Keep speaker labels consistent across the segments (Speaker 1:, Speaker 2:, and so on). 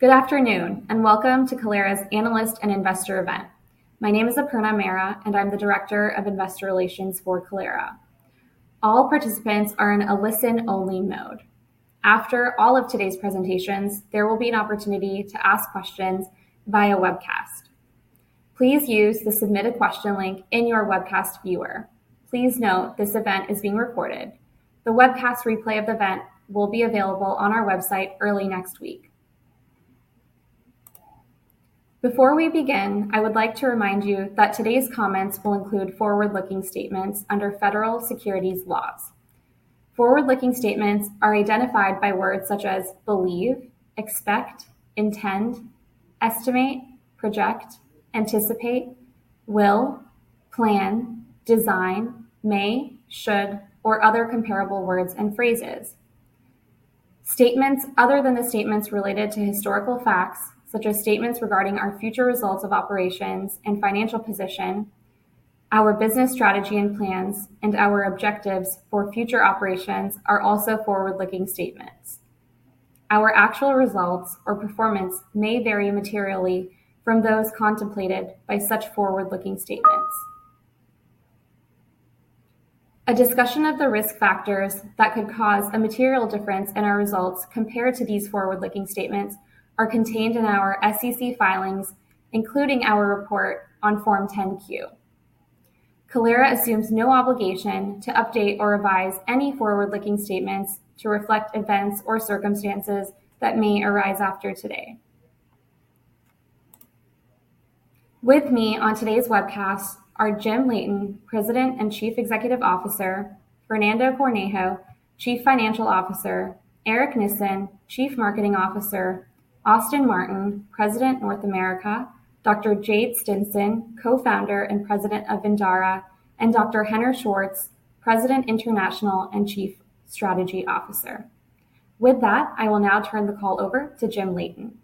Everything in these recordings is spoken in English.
Speaker 1: Good afternoon, and welcome to Kalera's Analyst and Investor event. My name is Aparna Mehra, and I'm the Director of Investor Relations for Kalera. All participants are in a listen-only mode. After all of today's presentations, there will be an opportunity to ask questions via webcast. Please use the Submit a Question link in your webcast viewer. Please note this event is being recorded. The webcast replay of the event will be available on our website early next week. Before we begin, I would like to remind you that today's comments will include forward-looking statements under federal securities laws. Forward-looking statements are identified by words such as believe, expect, intend, estimate, project, anticipate, will, plan, design, may, should, or other comparable words and phrases. Statements other than the statements related to historical facts, such as statements regarding our future results of operations and financial position, our business strategy and plans, and our objectives for future operations are also forward-looking statements. Our actual results or performance may vary materially from those contemplated by such forward-looking statements. A discussion of the risk factors that could cause a material difference in our results compared to these forward-looking statements are contained in our SEC filings, including our report on Form 10-Q. Kalera assumes no obligation to update or revise any forward-looking statements to reflect events or circumstances that may arise after today. With me on today's webcast are Jim Leighton, President and Chief Executive Officer, Fernando Cornejo, Chief Financial Officer, Aric Nissen, Chief Marketing Officer, Austin Martin, President, North America, Dr. Jade Stinson, Co-founder and President of Vindara, and Dr. Henner Schwarz, President International & Chief Strategy Officer. With that, I will now turn the call over to Jim Leighton.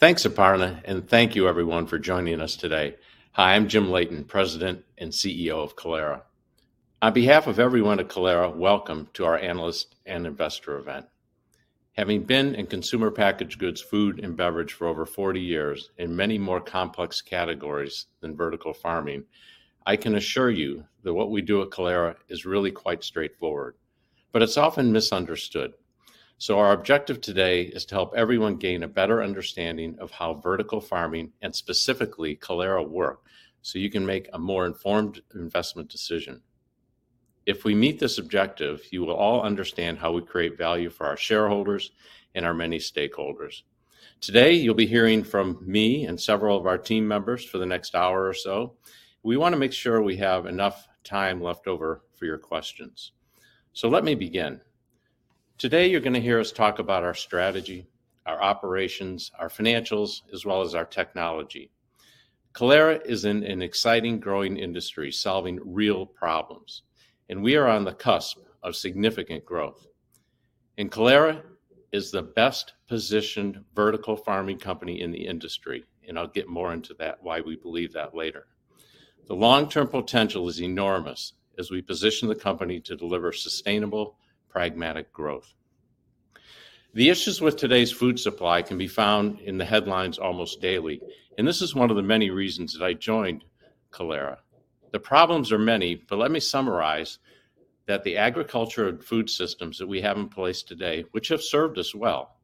Speaker 2: Thanks, Aparna, and thank you everyone for joining us today. Hi, I'm Jim Leighton, President and CEO of Kalera. On behalf of everyone at Kalera, welcome to our analyst and investor event. Having been in consumer packaged goods, food, and beverage for over 40 years in many more complex categories than vertical farming, I can assure you that what we do at Kalera is really quite straightforward, but it's often misunderstood. Our objective today is to help everyone gain a better understanding of how vertical farming and specifically Kalera work, so you can make a more informed investment decision. If we meet this objective, you will all understand how we create value for our shareholders and our many stakeholders. Today, you'll be hearing from me and several of our team members for the next hour or so. We wanna make sure we have enough time left over for your questions. Let me begin. Today you're gonna hear us talk about our strategy, our operations, our financials, as well as our technology. Kalera is in an exciting growing industry, solving real problems, and we are on the cusp of significant growth. Kalera is the best-positioned vertical farming company in the industry, and I'll get more into that why we believe that later. The long-term potential is enormous as we position the company to deliver sustainable, pragmatic growth. The issues with today's food supply can be found in the headlines almost daily, and this is one of the many reasons that I joined Kalera. The problems are many, but let me summarize that the agriculture and food systems that we have in place today, which have served us well,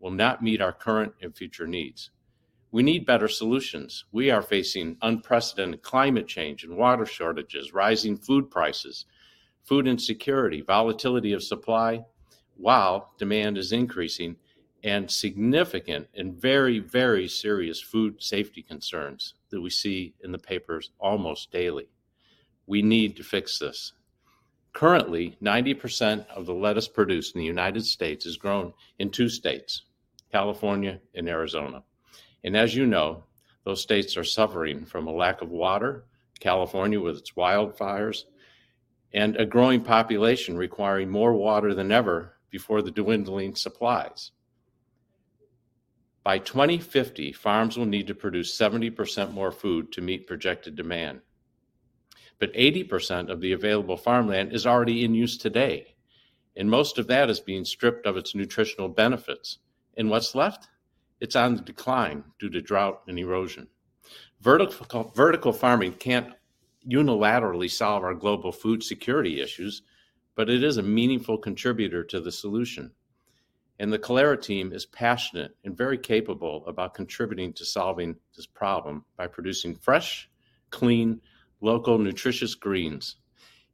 Speaker 2: will not meet our current and future needs. We need better solutions. We are facing unprecedented climate change and water shortages, rising food prices, food insecurity, volatility of supply, while demand is increasing and significant and very, very serious food safety concerns that we see in the papers almost daily. We need to fix this. Currently, 90% of the lettuce produced in the United States is grown in two states, California and Arizona. As you know, those states are suffering from a lack of water, California with its wildfires, and a growing population requiring more water than ever before the dwindling supplies. By 2050, farms will need to produce 70% more food to meet projected demand. Eighty percent of the available farmland is already in use today, and most of that is being stripped of its nutritional benefits. What's left? It's on the decline due to drought and erosion. Vertical farming can't unilaterally solve our global food security issues, but it is a meaningful contributor to the solution. The Kalera team is passionate and very capable about contributing to solving this problem by producing fresh, clean, local, nutritious greens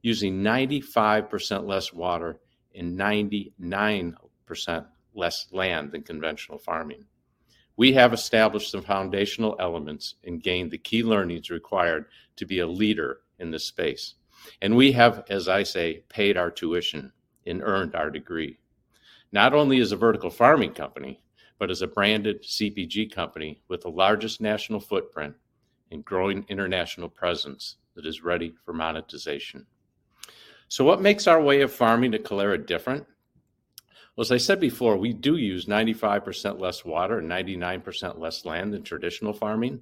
Speaker 2: using 95% less water and 99% less land than conventional farming. We have established the foundational elements and gained the key learnings required to be a leader in this space. We have, as I say, paid our tuition and earned our degree, not only as a vertical farming company, but as a branded CPG company with the largest national footprint and growing international presence that is ready for monetization. What makes our way of farming at Kalera different? Well, as I said before, we do use 95% less water and 99% less land than traditional farming,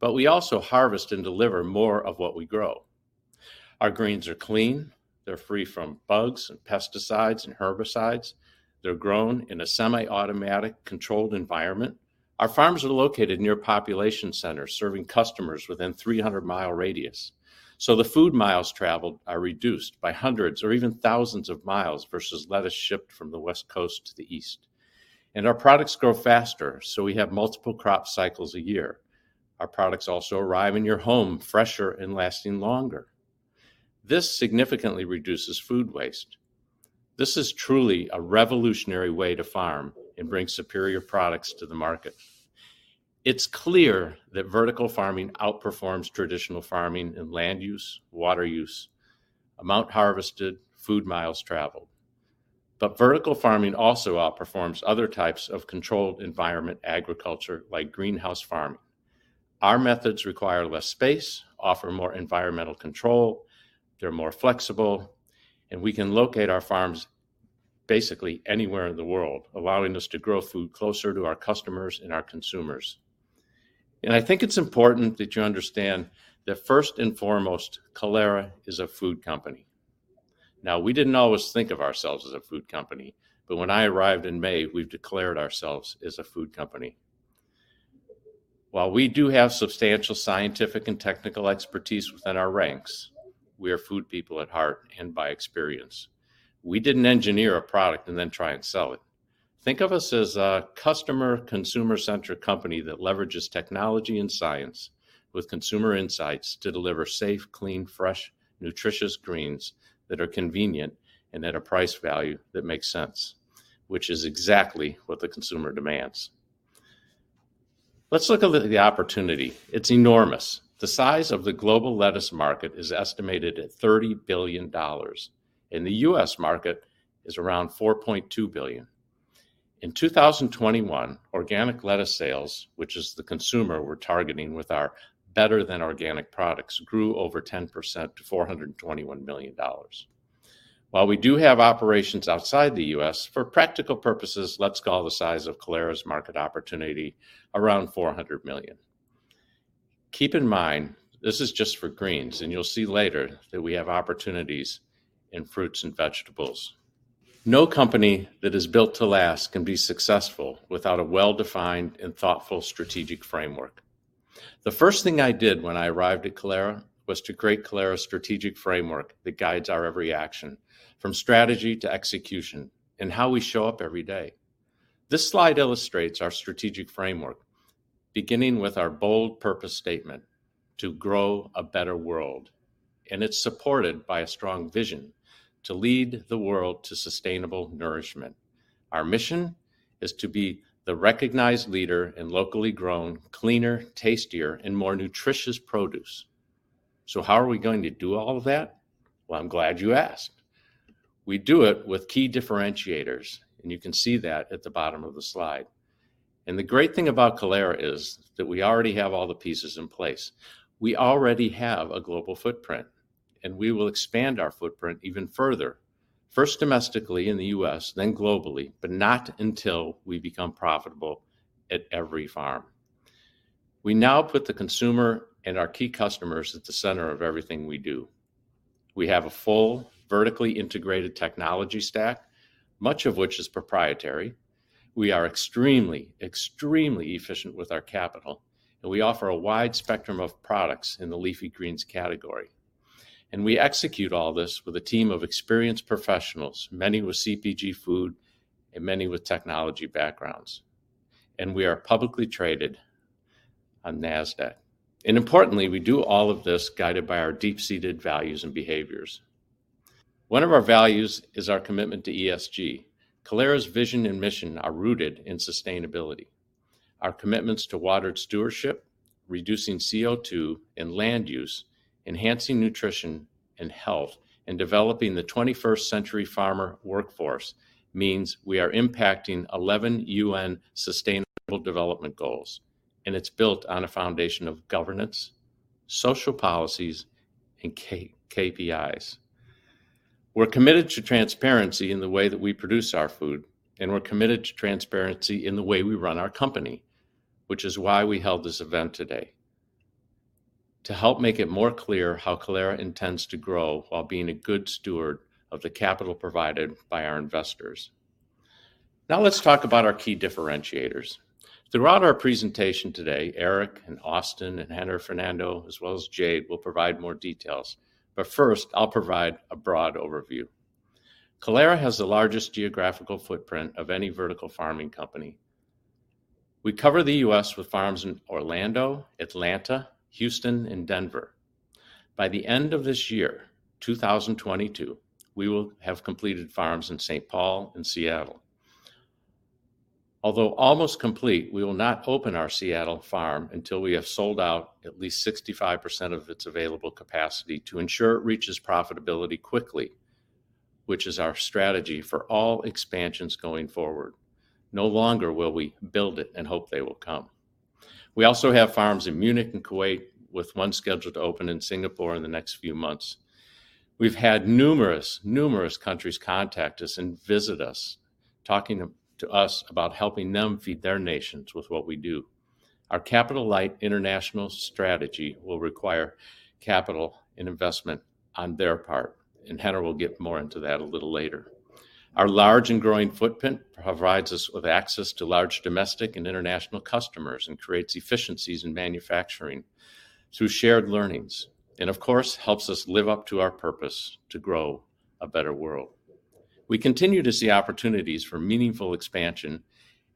Speaker 2: but we also harvest and deliver more of what we grow. Our greens are clean. They're free from bugs and pesticides and herbicides. They're grown in a semi-automatic controlled environment. Our farms are located near population centers, serving customers within 300-mile radius. The food miles traveled are reduced by hundreds or even thousands of miles versus lettuce shipped from the West Coast to the East. Our products grow faster, so we have multiple crop cycles a year. Our products also arrive in your home fresher and lasting longer. This significantly reduces food waste. This is truly a revolutionary way to farm and bring superior products to the market. It's clear that vertical farming outperforms traditional farming in land use, water use, amount harvested, food miles traveled. Vertical farming also outperforms other types of controlled environment agriculture, like greenhouse farming. Our methods require less space, offer more environmental control, they're more flexible, and we can locate our farms basically anywhere in the world, allowing us to grow food closer to our customers and our consumers. I think it's important that you understand that first and foremost, Kalera is a food company. Now, we didn't always think of ourselves as a food company, but when I arrived in May, we've declared ourselves as a food company. While we do have substantial scientific and technical expertise within our ranks, we are food people at heart and by experience. We didn't engineer a product and then try and sell it. Think of us as a customer-consumer-centric company that leverages technology and science with consumer insights to deliver safe, clean, fresh, nutritious greens that are convenient and at a price value that makes sense, which is exactly what the consumer demands. Let's look at the opportunity. It's enormous. The size of the global lettuce market is estimated at $30 billion, and the U.S. Market is around $4.2 billion. In 2021, organic lettuce sales, which is the consumer we're targeting with our better-than-organic products, grew over 10% to $421 million. While we do have operations outside the U.S., for practical purposes, let's call the size of Kalera's market opportunity around $400 million. Keep in mind, this is just for greens, and you'll see later that we have opportunities in fruits and vegetables. No company that is built to last can be successful without a well-defined and thoughtful strategic framework. The first thing I did when I arrived at Kalera was to create Kalera's strategic framework that guides our every action, from strategy to execution and how we show up every day. This slide illustrates our strategic framework, beginning with our bold purpose statement, to grow a better world, and it's supported by a strong vision to lead the world to sustainable nourishment. Our mission is to be the recognized leader in locally grown, cleaner, tastier, and more nutritious produce. So how are we going to do all of that? Well, I'm glad you asked. We do it with key differentiators, and you can see that at the bottom of the slide. The great thing about Kalera is that we already have all the pieces in place. We already have a global footprint, and we will expand our footprint even further. First domestically in the US, then globally, but not until we become profitable at every farm. We now put the consumer and our key customers at the center of everything we do. We have a full vertically integrated technology stack, much of which is proprietary. We are extremely efficient with our capital, and we offer a wide spectrum of products in the leafy greens category. We execute all this with a team of experienced professionals, many with CPG food and many with technology backgrounds. We are publicly traded on Nasdaq. Importantly, we do all of this guided by our deep-seated values and behaviors. One of our values is our commitment to ESG. Kalera's vision and mission are rooted in sustainability. Our commitments to water stewardship, reducing CO2 and land use, enhancing nutrition and health, and developing the 21st century farmer workforce means we are impacting 11 UN Sustainable Development Goals, and it's built on a foundation of governance, social policies, and KPIs. We're committed to transparency in the way that we produce our food, and we're committed to transparency in the way we run our company, which is why we held this event today, to help make it more clear how Kalera intends to grow while being a good steward of the capital provided by our investors. Now let's talk about our key differentiators. Throughout our presentation today, Aric and Austin and Henner Fernando, as well as Jade, will provide more details. First, I'll provide a broad overview. Kalera has the largest geographical footprint of any vertical farming company. We cover the U.S. with farms in Orlando, Atlanta, Houston, and Denver. By the end of this year, 2022, we will have completed farms in St. Paul and Seattle. Although almost complete, we will not open our Seattle farm until we have sold out at least 65% of its available capacity to ensure it reaches profitability quickly, which is our strategy for all expansions going forward. No longer will we build it and hope they will come. We also have farms in Munich and Kuwait, with one scheduled to open in Singapore in the next few months. We've had numerous countries contact us and visit us, talking to us about helping them feed their nations with what we do. Our capital-light international strategy will require capital and investment on their part, and Henner will get more into that a little later. Our large and growing footprint provides us with access to large domestic and international customers and creates efficiencies in manufacturing through shared learnings, and of course helps us live up to our purpose to grow a better world. We continue to see opportunities for meaningful expansion,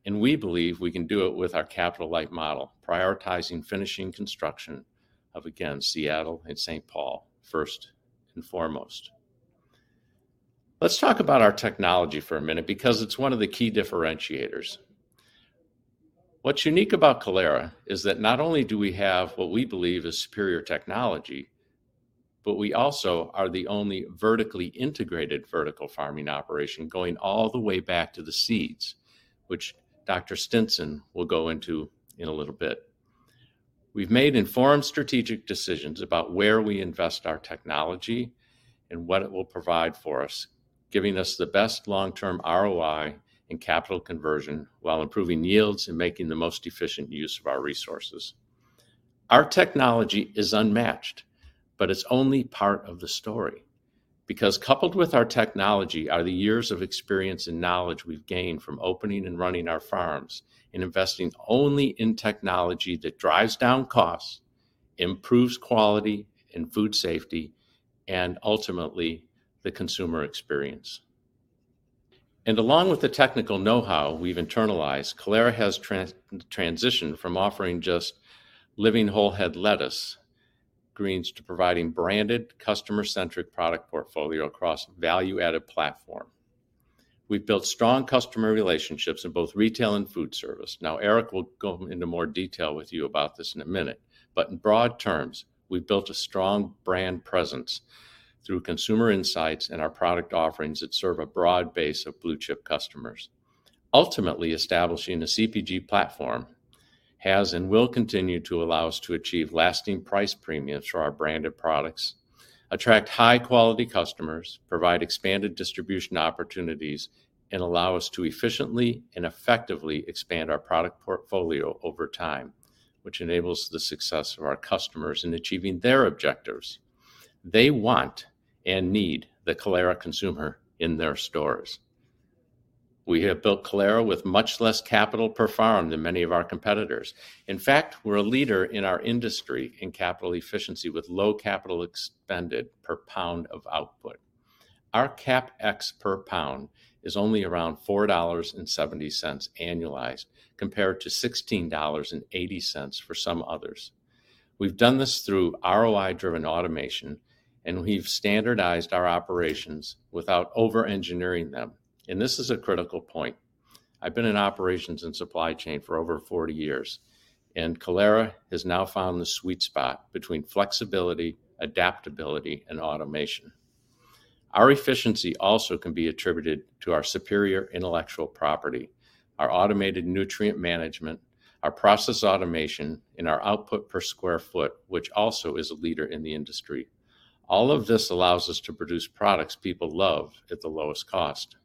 Speaker 2: and we believe we can do it with our capital-light model, prioritizing finishing construction of, again, Seattle and St. Paul first and foremost. Let's talk about our technology for a minute because it's one of the key differentiators. What's unique about Kalera is that not only do we have what we believe is superior technology, but we also are the only vertically integrated vertical farming operation going all the way back to the seeds, which Dr. Stinson will go into in a little bit. We've made informed strategic decisions about where we invest our technology and what it will provide for us, giving us the best long-term ROI and capital conversion while improving yields and making the most efficient use of our resources. Our technology is unmatched, but it's only part of the story because coupled with our technology are the years of experience and knowledge we've gained from opening and running our farms and investing only in technology that drives down costs, improves quality and food safety, and ultimately the consumer experience. Along with the technical know-how we've internalized, Kalera has transitioned from offering just living whole head lettuce greens to providing branded customer-centric product portfolio across value-added platform. We've built strong customer relationships in both retail and food service. Now Aric will go into more detail with you about this in a minute, but in broad terms, we've built a strong brand presence through consumer insights and our product offerings that serve a broad base of blue chip customers. Ultimately, establishing a CPG platform has and will continue to allow us to achieve lasting price premiums for our branded products, attract high quality customers, provide expanded distribution opportunities, and allow us to efficiently and effectively expand our product portfolio over time, which enables the success of our customers in achieving their objectives. They want and need the Kalera consumer in their stores. We have built Kalera with much less capital per farm than many of our competitors. In fact, we're a leader in our industry in capital efficiency with low capital expended per pound of output. Our CapEx per pound is only around $4.70 annualized, compared to $16.80 for some others. We've done this through ROI-driven automation, and we've standardized our operations without over-engineering them, and this is a critical point. I've been in operations and supply chain for over 40 years, and Kalera has now found the sweet spot between flexibility, adaptability, and automation. Our efficiency also can be attributed to our superior intellectual property, our automated nutrient management, our process automation, and our output per square foot, which also is a leader in the industry. All of this allows us to produce products people love at the lowest cost.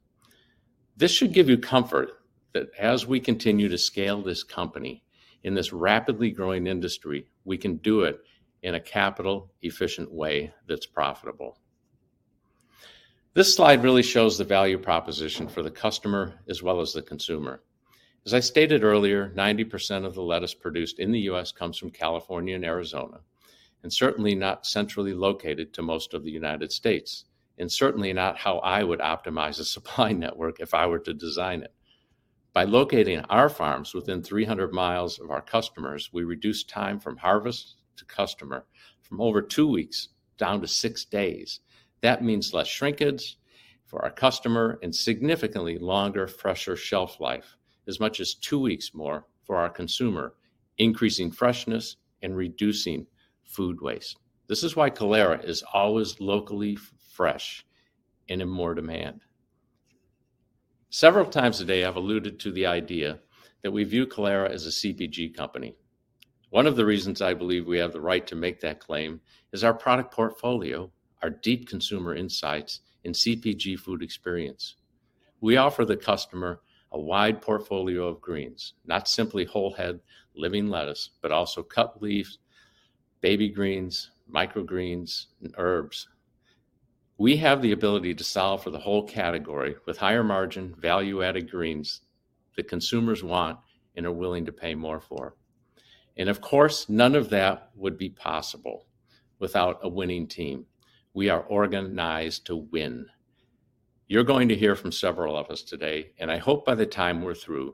Speaker 2: This should give you comfort that as we continue to scale this company in this rapidly growing industry, we can do it in a capital efficient way that's profitable. This slide really shows the value proposition for the customer as well as the consumer. As I stated earlier, 90% of the lettuce produced in the U.S. comes from California and Arizona, and certainly not centrally located to most of the United States, and certainly not how I would optimize a supply network if I were to design it. By locating our farms within 300 miles of our customers, we reduce time from harvest to customer from over two weeks down to six days. That means less shrinkages for our customer and significantly longer, fresher shelf life, as much as two weeks more for our consumer, increasing freshness and reducing food waste. This is why Kalera is always locally fresh and in more demand. Several times today, I've alluded to the idea that we view Kalera as a CPG company. One of the reasons I believe we have the right to make that claim is our product portfolio, our deep consumer insights, and CPG food experience. We offer the customer a wide portfolio of greens, not simply whole head living lettuce, but also cut leaf, baby greens, microgreens, and herbs. We have the ability to solve for the whole category with higher margin, value-added greens that consumers want and are willing to pay more for. Of course, none of that would be possible without a winning team. We are organized to win. You're going to hear from several of us today, and I hope by the time we're through,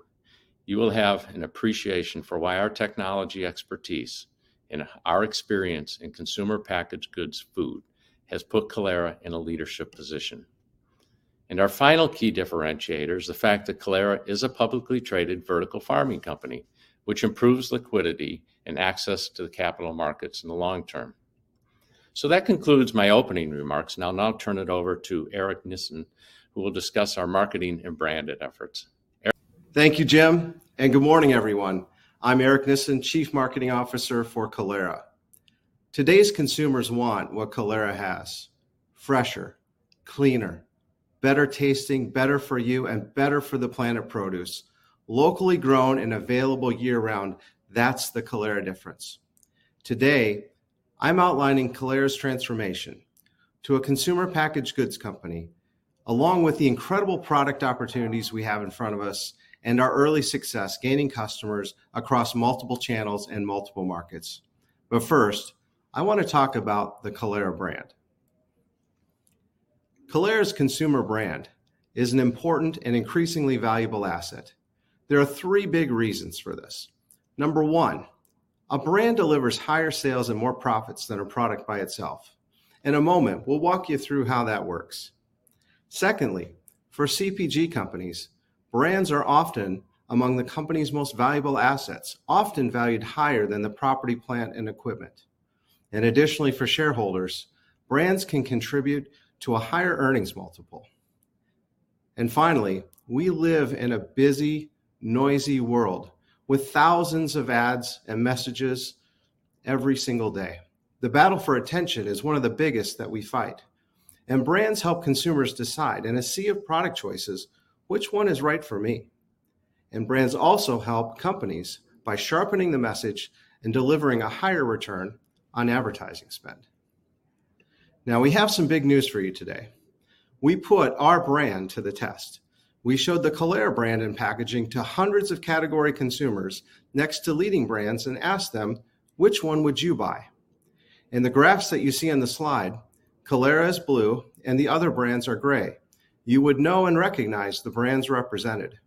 Speaker 2: you will have an appreciation for why our technology expertise and our experience in consumer packaged goods food has put Kalera in a leadership position. Our final key differentiator is the fact that Kalera is a publicly traded vertical farming company, which improves liquidity and access to the capital markets in the long term. That concludes my opening remarks, and I'll now turn it over to Aric Nissen, who will discuss our marketing and branding efforts. Aric?
Speaker 3: Thank you, Jim, and good morning, everyone. I'm Aric Nissen, Chief Marketing Officer for Kalera. Today's consumers want what Kalera has, fresher, cleaner, better-tasting, better for you, and better for the planet produce, locally grown and available year-round. That's the Kalera difference. Today, I'm outlining Kalera's transformation to a consumer packaged goods company, along with the incredible product opportunities we have in front of us and our early success gaining customers across multiple channels and multiple markets. First, I wanna talk about the Kalera brand. Kalera's consumer brand is an important and increasingly valuable asset. There are three big reasons for this. Number one, a brand delivers higher sales and more profits than a product by itself. In a moment, we'll walk you through how that works. Secondly, for CPG companies, brands are often among the company's most valuable assets, often valued higher than the property, plant, and equipment. Additionally, for shareholders, brands can contribute to a higher earnings multiple. Finally, we live in a busy, noisy world with thousands of ads and messages every single day. The battle for attention is one of the biggest that we fight. Brands help consumers decide in a sea of product choices which one is right for me. Brands also help companies by sharpening the message and delivering a higher return on advertising spend. Now, we have some big news for you today. We put our brand to the test. We showed the Kalera brand and packaging to hundreds of category consumers next to leading brands and asked them, "Which one would you buy?" In the graphs that you see on the slide, Kalera is blue and the other brands are gray. You would know and recognize the brands represented.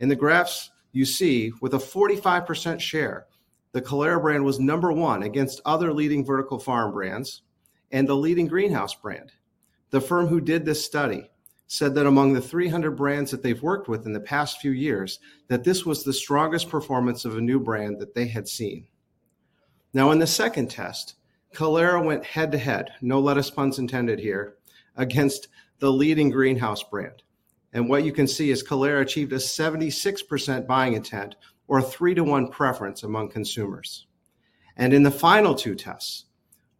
Speaker 3: In the graphs you see, with a 45% share, the Kalera brand was number one against other leading vertical farm brands and the leading greenhouse brand. The firm who did this study said that among the 300 brands that they've worked with in the past few years, that this was the strongest performance of a new brand that they had seen. Now, in the second test, Kalera went head-to-head, no lettuce puns intended here, against the leading greenhouse brand. What you can see is Kalera achieved a 76% buying intent or a 3-to-1 preference among consumers. In the final two tests,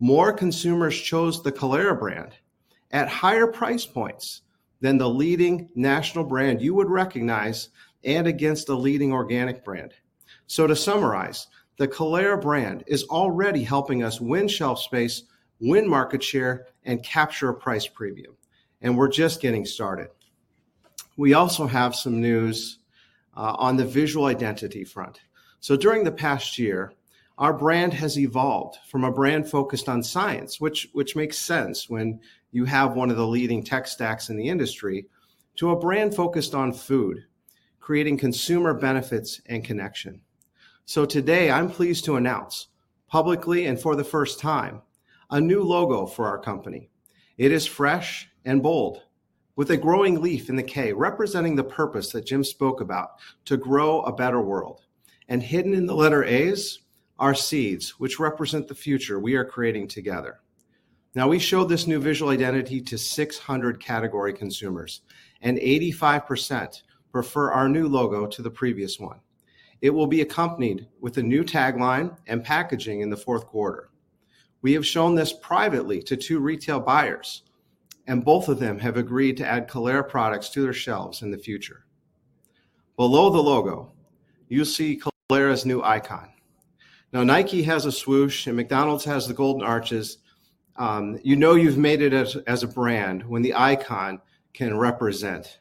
Speaker 3: more consumers chose the Kalera brand at higher price points than the leading national brand you would recognize and against the leading organic brand. To summarize, the Kalera brand is already helping us win shelf space, win market share, and capture a price premium, and we're just getting started. We also have some news on the visual identity front. During the past year, our brand has evolved from a brand focused on science, which makes sense when you have one of the leading tech stacks in the industry, to a brand focused on food, creating consumer benefits and connection. Today, I'm pleased to announce publicly and for the first time a new logo for our company. It is fresh and bold with a growing leaf in the K representing the purpose that Jim spoke about, to grow a better world. Hidden in the letter A's are seeds which represent the future we are creating together. Now, we show this new visual identity to 600 category consumers, and 85% prefer our new logo to the previous one. It will be accompanied with a new tagline and packaging in the fourth quarter. We have shown this privately to two retail buyers, and both of them have agreed to add Kalera products to their shelves in the future. Below the logo, you see Kalera's new icon. Now, Nike has a swoosh and McDonald's has the golden arches. You know you've made it as a brand when the icon can represent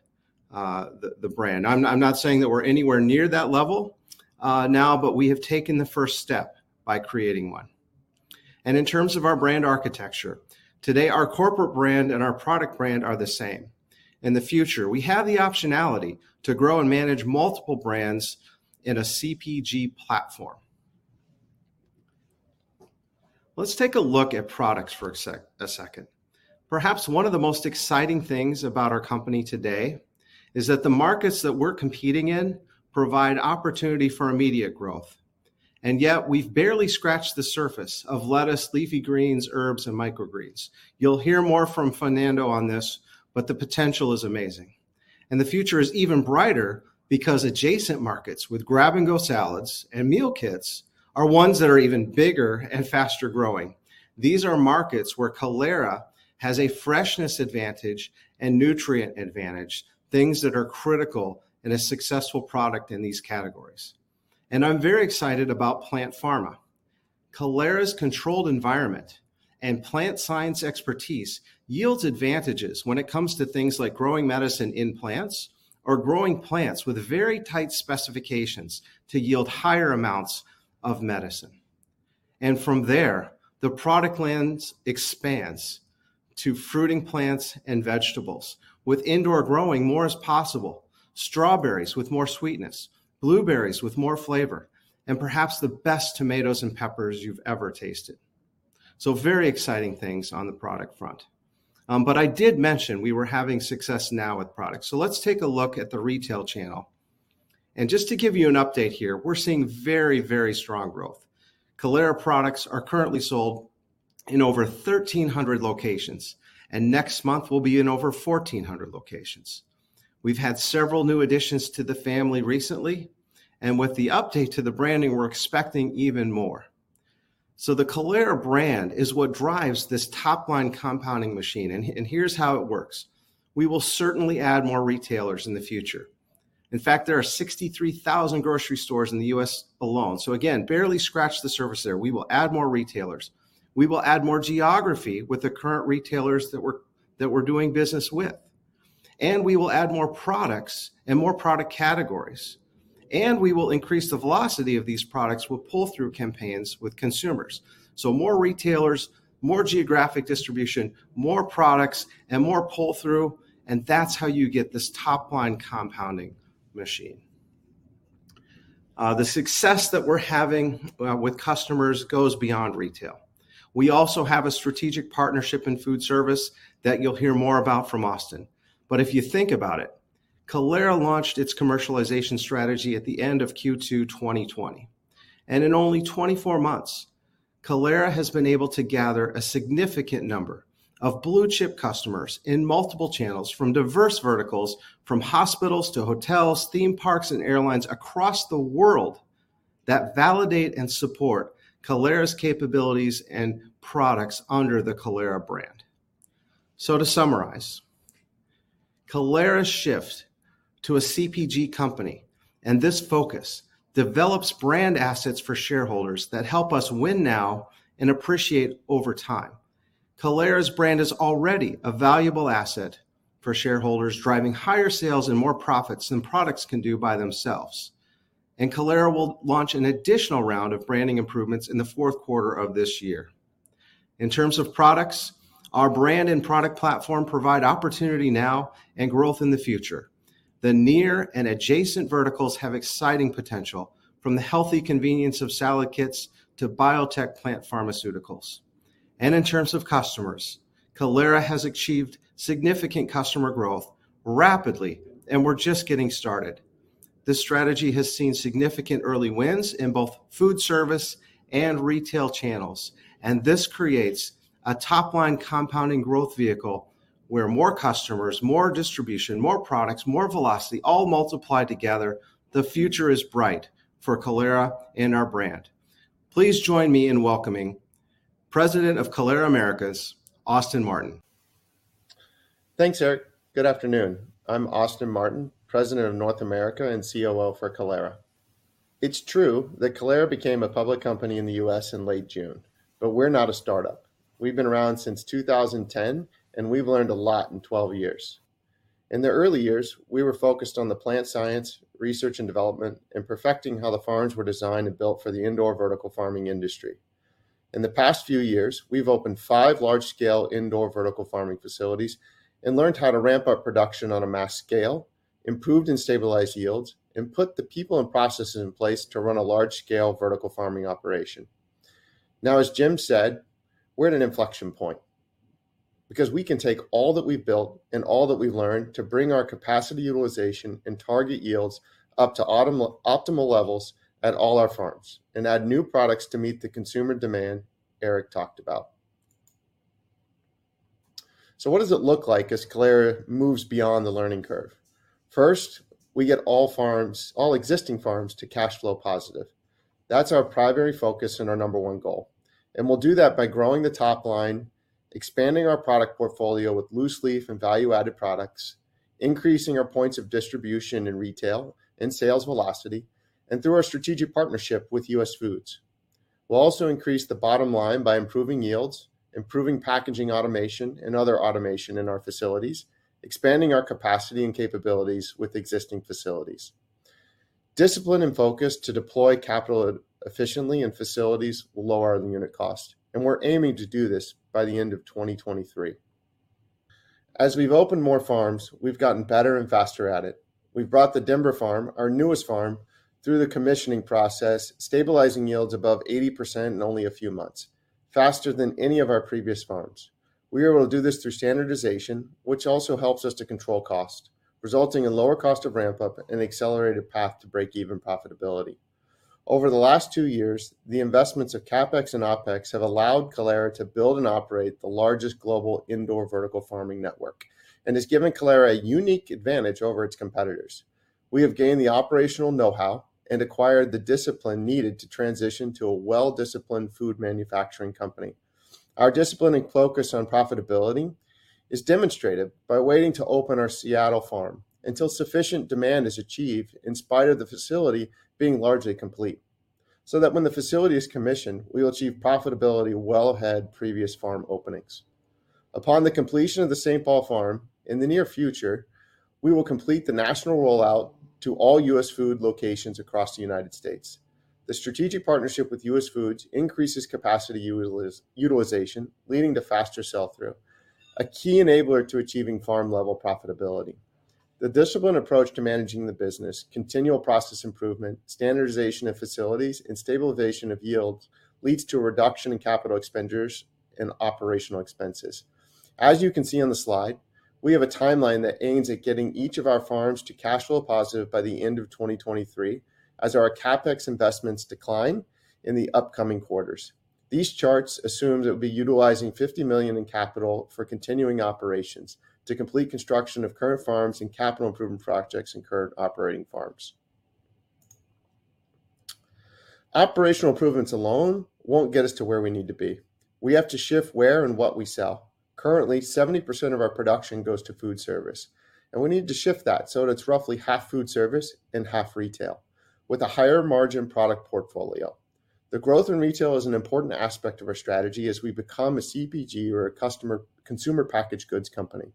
Speaker 3: the brand. I'm not saying that we're anywhere near that level now, but we have taken the first step by creating one. In terms of our brand architecture, today our corporate brand and our product brand are the same. In the future, we have the optionality to grow and manage multiple brands in a CPG platform. Let's take a look at products for a second. Perhaps one of the most exciting things about our company today is that the markets that we're competing in provide opportunity for immediate growth, and yet we've barely scratched the surface of lettuce, leafy greens, herbs, and microgreens. You'll hear more from Fernando on this, but the potential is amazing. The future is even brighter because adjacent markets with grab-and-go salads and meal kits are ones that are even bigger and faster-growing. These are markets where Kalera has a freshness advantage and nutrient advantage, things that are critical in a successful product in these categories. I'm very excited about plant science. Kalera's controlled environment and plant science expertise yields advantages when it comes to things like growing medicine in plants or growing plants with very tight specifications to yield higher amounts of medicine. From there, the product line expands to fruiting plants and vegetables, with indoor growing, more is possible. Strawberries with more sweetness, blueberries with more flavor, and perhaps the best tomatoes and peppers you've ever tasted. Very exciting things on the product front. I did mention we were having success now with products. Let's take a look at the retail channel. Just to give you an update here, we're seeing very, very strong growth. Kalera products are currently sold in over 1,300 locations, and next month, we'll be in over 1,400 locations. We've had several new additions to the family recently, and with the update to the branding, we're expecting even more. The Kalera brand is what drives this top-line compounding machine, and here's how it works. We will certainly add more retailers in the future. In fact, there are 63,000 grocery stores in the U.S. alone. Again, barely scratched the surface there. We will add more retailers. We will add more geography with the current retailers that we're doing business with. We will add more products and more product categories. We will increase the velocity of these products with pull-through campaigns with consumers. More retailers, more geographic distribution, more products, and more pull-through, and that's how you get this top-line compounding machine. The success that we're having with customers goes beyond retail. We also have a strategic partnership in food service that you'll hear more about from Austin. If you think about it, Kalera launched its commercialization strategy at the end of Q2 2020. In only 24 months, Kalera has been able to gather a significant number of blue-chip customers in multiple channels from diverse verticals, from hospitals to hotels, theme parks, and airlines across the world that validate and support Kalera's capabilities and products under the Kalera brand. To summarize, Kalera's shift to a CPG company, and this focus develops brand assets for shareholders that help us win now and appreciate over time. Kalera's brand is already a valuable asset for shareholders, driving higher sales and more profits than products can do by themselves. Kalera will launch an additional round of branding improvements in the fourth quarter of this year. In terms of products, our brand and product platform provide opportunity now and growth in the future. The near and adjacent verticals have exciting potential, from the healthy convenience of salad kits to biotech plant pharmaceuticals. In terms of customers, Kalera has achieved significant customer growth rapidly, and we're just getting started. This strategy has seen significant early wins in both food service and retail channels, and this creates a top-line compounding growth vehicle where more customers, more distribution, more products, more velocity all multiply together. The future is bright for Kalera and our brand. Please join me in welcoming President of Kalera Americas, Austin Martin.
Speaker 4: Thanks, Aric. Good afternoon. I'm Austin Martin, President of North America and COO for Kalera. It's true that Kalera became a public company in the U.S. in late June, but we're not a startup. We've been around since 2010, and we've learned a lot in 12 years. In the early years, we were focused on the plant science, research and development, and perfecting how the farms were designed and built for the indoor vertical farming industry. In the past few years, we've opened five large-scale indoor vertical farming facilities and learned how to ramp up production on a mass scale, improved and stabilized yields, and put the people and processes in place to run a large-scale vertical farming operation. Now, as Jim said, we're at an inflection point because we can take all that we've built and all that we've learned to bring our capacity utilization and target yields up to optimal levels at all our farms and add new products to meet the consumer demand Aric talked about. What does it look like as Kalera moves beyond the learning curve? First, we get all farms, all existing farms to cash flow positive. That's our primary focus and our number one goal. We'll do that by growing the top line, expanding our product portfolio with loose leaf and value-added products, increasing our points of distribution in retail and sales velocity, and through our strategic partnership with US Foods. We'll also increase the bottom line by improving yields, improving packaging automation and other automation in our facilities, expanding our capacity and capabilities with existing facilities. Discipline and focus to deploy capital efficiently in facilities will lower the unit cost, and we're aiming to do this by the end of 2023. As we've opened more farms, we've gotten better and faster at it. We've brought the Denver farm, our newest farm, through the commissioning process, stabilizing yields above 80% in only a few months, faster than any of our previous farms. We are able to do this through standardization, which also helps us to control cost, resulting in lower cost of ramp-up and accelerated path to break-even profitability. Over the last two years, the investments of CapEx and OpEx have allowed Kalera to build and operate the largest global indoor vertical farming network and has given Kalera a unique advantage over its competitors. We have gained the operational know-how and acquired the discipline needed to transition to a well-disciplined food manufacturing company. Our discipline and focus on profitability is demonstrated by waiting to open our Seattle farm until sufficient demand is achieved in spite of the facility being largely complete, so that when the facility is commissioned, we will achieve profitability well ahead previous farm openings. Upon the completion of the St. Paul farm in the near future, we will complete the national rollout to all US Foods locations across the United States. The strategic partnership with US Foods increases capacity utilization, leading to faster sell-through, a key enabler to achieving farm-level profitability. The disciplined approach to managing the business, continual process improvement, standardization of facilities, and stabilization of yields leads to a reduction in capital expenditures and operational expenses. As you can see on the slide. We have a timeline that aims at getting each of our farms to cash flow positive by the end of 2023 as our CapEx investments decline in the upcoming quarters. These charts assume that we'll be utilizing $50 million in capital for continuing operations to complete construction of current farms and capital improvement projects in current operating farms. Operational improvements alone won't get us to where we need to be. We have to shift where and what we sell. Currently, 70% of our production goes to food service, and we need to shift that so that it's roughly half food service and half retail with a higher margin product portfolio. The growth in retail is an important aspect of our strategy as we become a CPG or a consumer packaged goods company.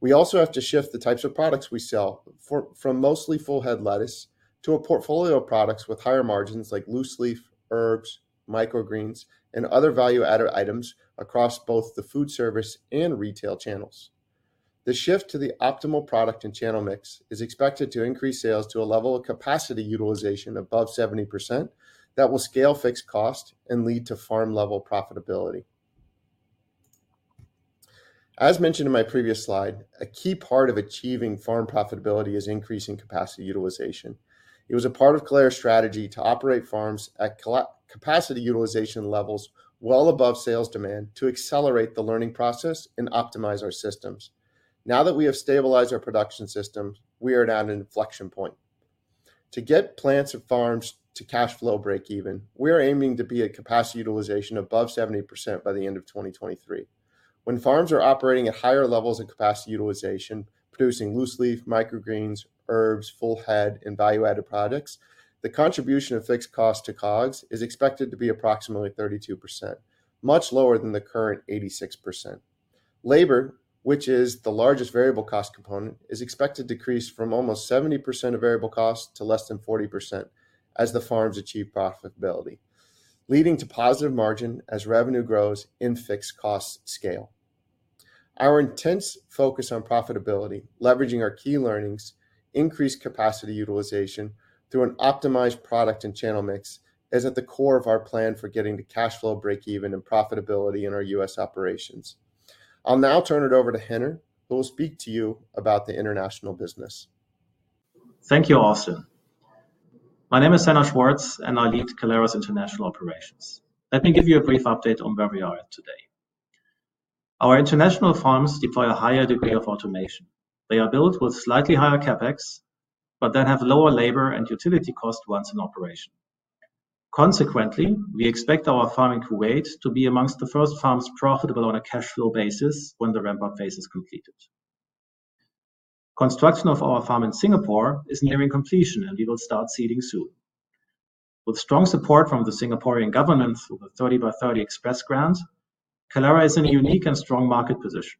Speaker 4: We also have to shift the types of products we sell from mostly full head lettuce to a portfolio of products with higher margins like loose leaf, herbs, microgreens, and other value-added items across both the food service and retail channels. The shift to the optimal product and channel mix is expected to increase sales to a level of capacity utilization above 70% that will scale fixed cost and lead to farm level profitability. As mentioned in my previous slide, a key part of achieving farm profitability is increasing capacity utilization. It was a part of Kalera's strategy to operate farms at capacity utilization levels well above sales demand to accelerate the learning process and optimize our systems. Now that we have stabilized our production systems, we are at an inflection point. To get plants or farms to cash flow breakeven, we are aiming to be at capacity utilization above 70% by the end of 2023. When farms are operating at higher levels of capacity utilization, producing loose leaf, microgreens, herbs, full head, and value-added products, the contribution of fixed cost to COGS is expected to be approximately 32%, much lower than the current 86%. Labor, which is the largest variable cost component, is expected to decrease from almost 70% of variable cost to less than 40% as the farms achieve profitability, leading to positive margin as revenue grows in fixed cost scale. Our intense focus on profitability, leveraging our key learnings, increased capacity utilization through an optimized product and channel mix is at the core of our plan for getting to cash flow breakeven and profitability in our U.S. operations. I'll now turn it over to Henner, who will speak to you about the international business.
Speaker 5: Thank you, Austin. My name is Henner Schwarz, and I lead Kalera's international operations. Let me give you a brief update on where we are today. Our international farms deploy a higher degree of automation. They are built with slightly higher CapEx, but then have lower labor and utility cost once in operation. Consequently, we expect our farm in Kuwait to be among the first farms profitable on a cash flow basis when the ramp-up phase is completed. Construction of our farm in Singapore is nearing completion, and we will start seeding soon. With strong support from the Singaporean government through the 30x30 Express Grant, Kalera is in a unique and strong market position.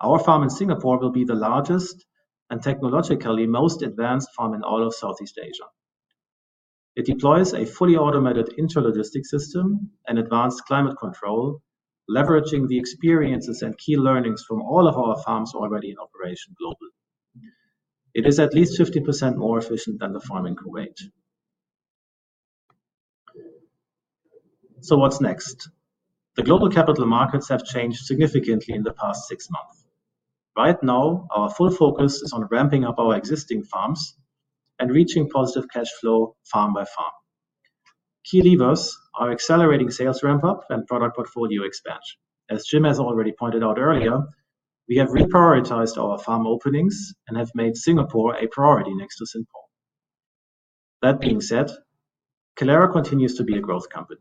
Speaker 5: Our farm in Singapore will be the largest and technologically most advanced farm in all of Southeast Asia. It deploys a fully automated intralogistics system and advanced climate control, leveraging the experiences and key learnings from all of our farms already in operation globally. It is at least 50% more efficient than the farm in Kuwait. What's next? The global capital markets have changed significantly in the past six months. Right now, our full focus is on ramping up our existing farms and reaching positive cash flow farm by farm. Key levers are accelerating sales ramp-up and product portfolio expansion. As Jim has already pointed out earlier, we have reprioritized our farm openings and have made Singapore a priority next to St. Paul. That being said, Kalera continues to be a growth company.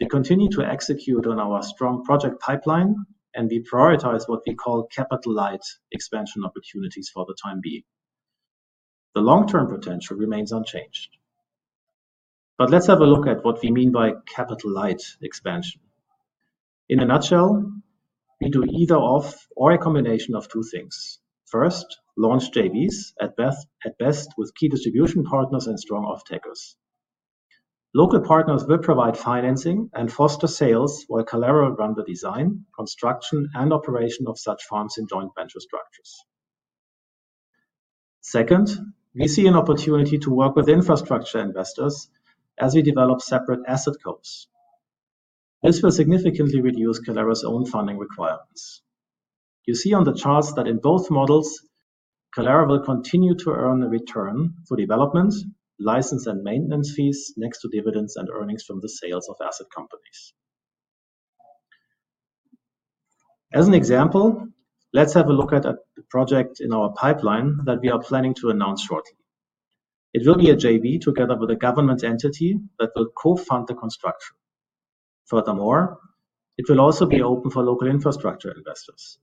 Speaker 5: We continue to execute on our strong project pipeline, and we prioritize what we call capital-light expansion opportunities for the time being. The long-term potential remains unchanged. Let's have a look at what we mean by capital-light expansion. In a nutshell, we do either of or a combination of two things. First, launch JVs at best with key distribution partners and strong off-takers. Local partners will provide financing and foster sales while Kalera run the design, construction, and operation of such farms in joint venture structures. Second, we see an opportunity to work with infrastructure investors as we develop separate asset cos. This will significantly reduce Kalera's own funding requirements. You see on the charts that in both models, Kalera will continue to earn a return for development, license, and maintenance fees next to dividends and earnings from the sales of asset companies. As an example, let's have a look at a project in our pipeline that we are planning to announce shortly. It will be a JV together with a government entity that will co-fund the construction. Furthermore, it will also be open for local infrastructure investors.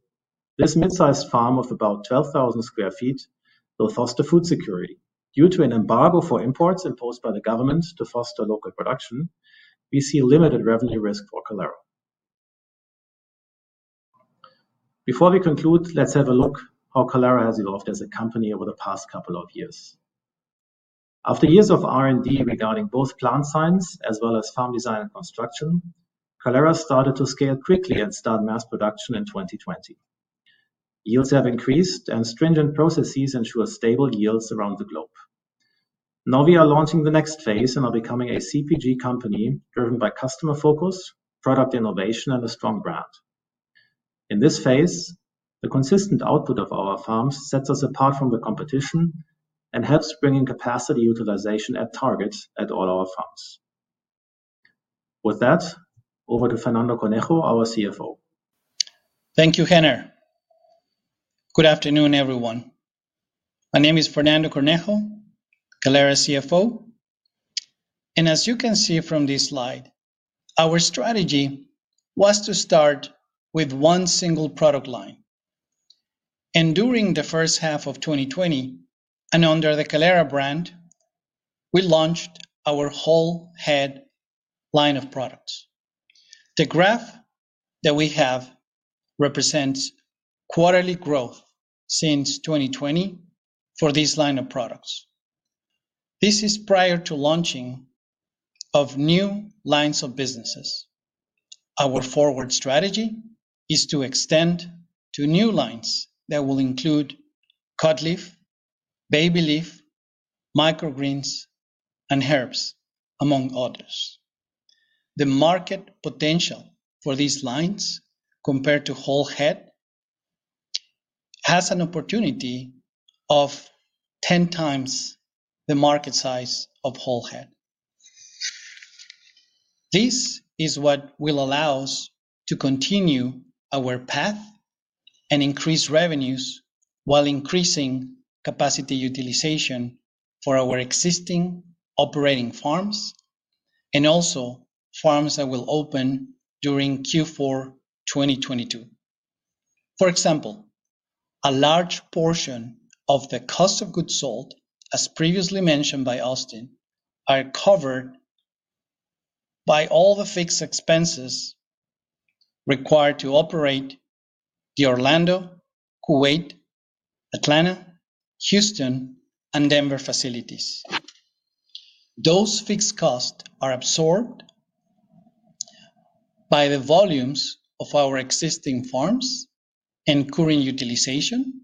Speaker 5: This mid-sized farm of about 12,000 sq ft will foster food security. Due to an embargo for imports imposed by the government to foster local production, we see limited revenue risk for Kalera. Before we conclude, let's have a look how Kalera has evolved as a company over the past couple of years. After years of R&D regarding both plant science as well as farm design and construction, Kalera started to scale quickly and start mass production in 2020. Yields have increased, and stringent processes ensure stable yields around the globe. Now we are launching the next phase and are becoming a CPG company driven by customer focus, product innovation, and a strong brand. In this phase, the consistent output of our farms sets us apart from the competition and helps bring in capacity utilization at target at all our farms. With that, over to Fernando Cornejo, our CFO.
Speaker 6: Thank you, Henner. Good afternoon, everyone. My name is Fernando Cornejo, Kalera CFO. As you can see from this slide, our strategy was to start with one single product line. During the first half of 2020, and under the Kalera brand, we launched our whole head line of products. The graph that we have represents quarterly growth since 2020 for this line of products. This is prior to launching of new lines of businesses. Our forward strategy is to extend to new lines that will include cut leaf, baby leaf, microgreens, and herbs, among others. The market potential for these lines compared to whole head has an opportunity of 10x the market size of whole head. This is what will allow us to continue our path and increase revenues while increasing capacity utilization for our existing operating farms and also farms that will open during Q4 2022. For example, a large portion of the cost of goods sold, as previously mentioned by Austin, are covered by all the fixed expenses required to operate the Orlando, Kuwait, Atlanta, Houston, and Denver facilities. Those fixed costs are absorbed by the volumes of our existing farms and current utilization.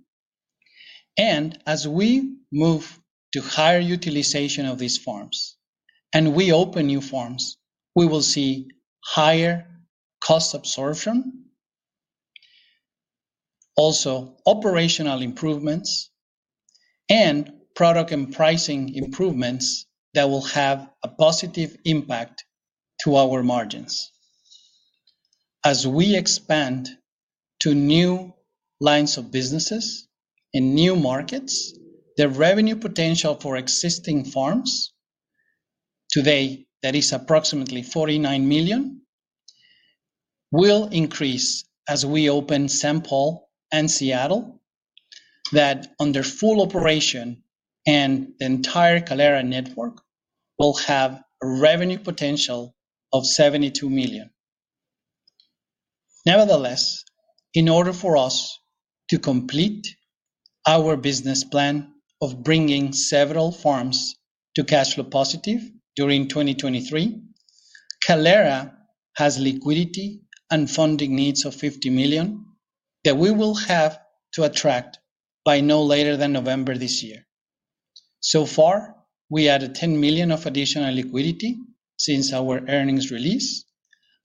Speaker 6: As we move to higher utilization of these farms and we open new farms, we will see higher cost absorption, also operational improvements and product and pricing improvements that will have a positive impact to our margins. As we expand to new lines of businesses in new markets, the revenue potential for existing farms today, that is approximately $49 million, will increase as we open St. Paul and Seattle that under full operation and the entire Kalera network will have a revenue potential of $72 million. Nevertheless, in order for us to complete our business plan of bringing several farms to cash flow positive during 2023, Kalera has liquidity and funding needs of $50 million that we will have to attract by no later than November this year. So far, we added $10 million of additional liquidity since our earnings release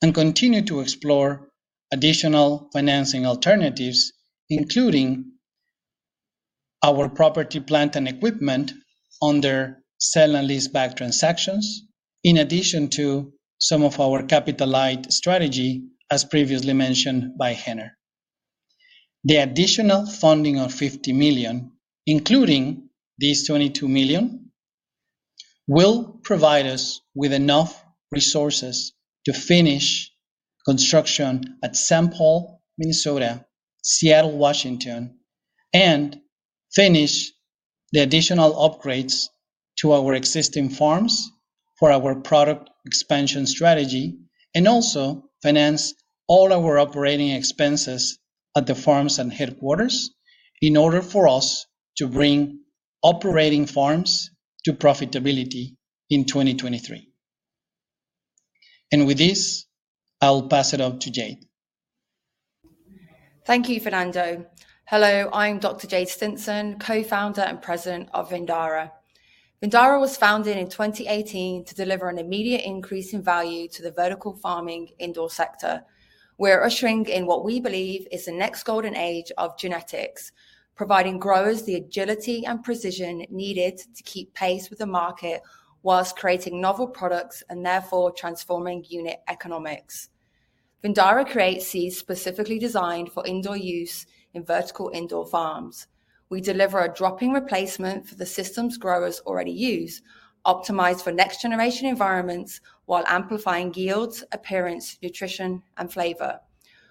Speaker 6: and continue to explore additional financing alternatives, including our property, plant, and equipment under sale and leaseback transactions, in addition to some of our capital light strategy, as previously mentioned by Henner. The additional funding of $50 million, including this $22 million, will provide us with enough resources to finish construction at St. Paul, Minnesota, Seattle, Washington, and finish the additional upgrades to our existing farms for our product expansion strategy and also finance all our operating expenses at the farms and headquarters in order for us to bring operating farms to profitability in 2023. With this, I'll pass it on to Jade.
Speaker 7: Thank you, Fernando. Hello, I'm Dr. Jade Stinson, co-founder and President of Vindara. Vindara was founded in 2018 to deliver an immediate increase in value to the vertical farming indoor sector. We're ushering in what we believe is the next golden age of genetics, providing growers the agility and precision needed to keep pace with the market while creating novel products and therefore transforming unit economics. Vindara creates seeds specifically designed for indoor use in vertical indoor farms. We deliver a drop-in replacement for the systems growers already use, optimized for next generation environments, while amplifying yields, appearance, nutrition, and flavor.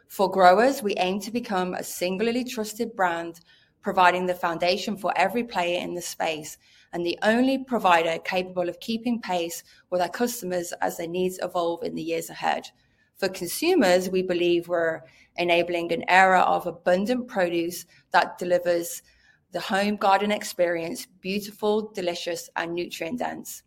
Speaker 7: For growers, we aim to become a singularly trusted brand, providing the foundation for every player in this space and the only provider capable of keeping pace with our customers as their needs evolve in the years ahead. For consumers, we believe we're enabling an era of abundant produce that delivers the home garden experience beautiful, delicious, and nutrient-dense.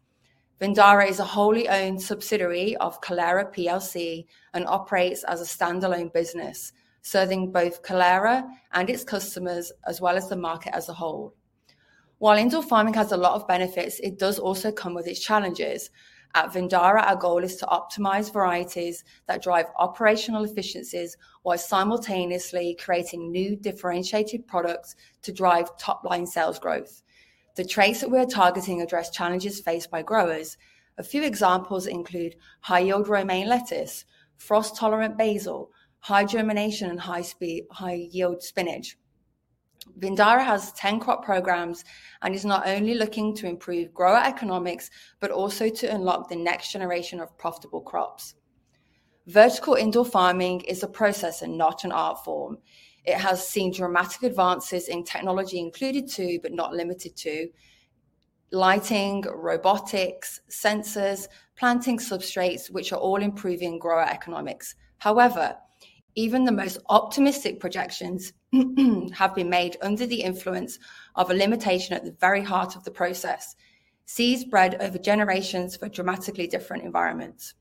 Speaker 7: Vindara is a wholly owned subsidiary of Kalera PLC and operates as a standalone business, serving both Kalera and its customers, as well as the market as a whole. While indoor farming has a lot of benefits, it does also come with its challenges. At Vindara, our goal is to optimize varieties that drive operational efficiencies while simultaneously creating new differentiated products to drive top-line sales growth. The traits that we're targeting address challenges faced by growers. A few examples include high-yield romaine lettuce, frost-tolerant basil, high germination, and high-yield spinach. Vindara has 10 crop programs and is not only looking to improve grower economics, but also to unlock the next generation of profitable crops. Vertical indoor farming is a process and not an art form. It has seen dramatic advances in technology including, but not limited to, lighting, robotics, sensors, planting substrates, which are all improving grower economics. However, even the most optimistic projections have been made under the influence of a limitation at the very heart of the process. Seeds bred over generations for dramatically different environments.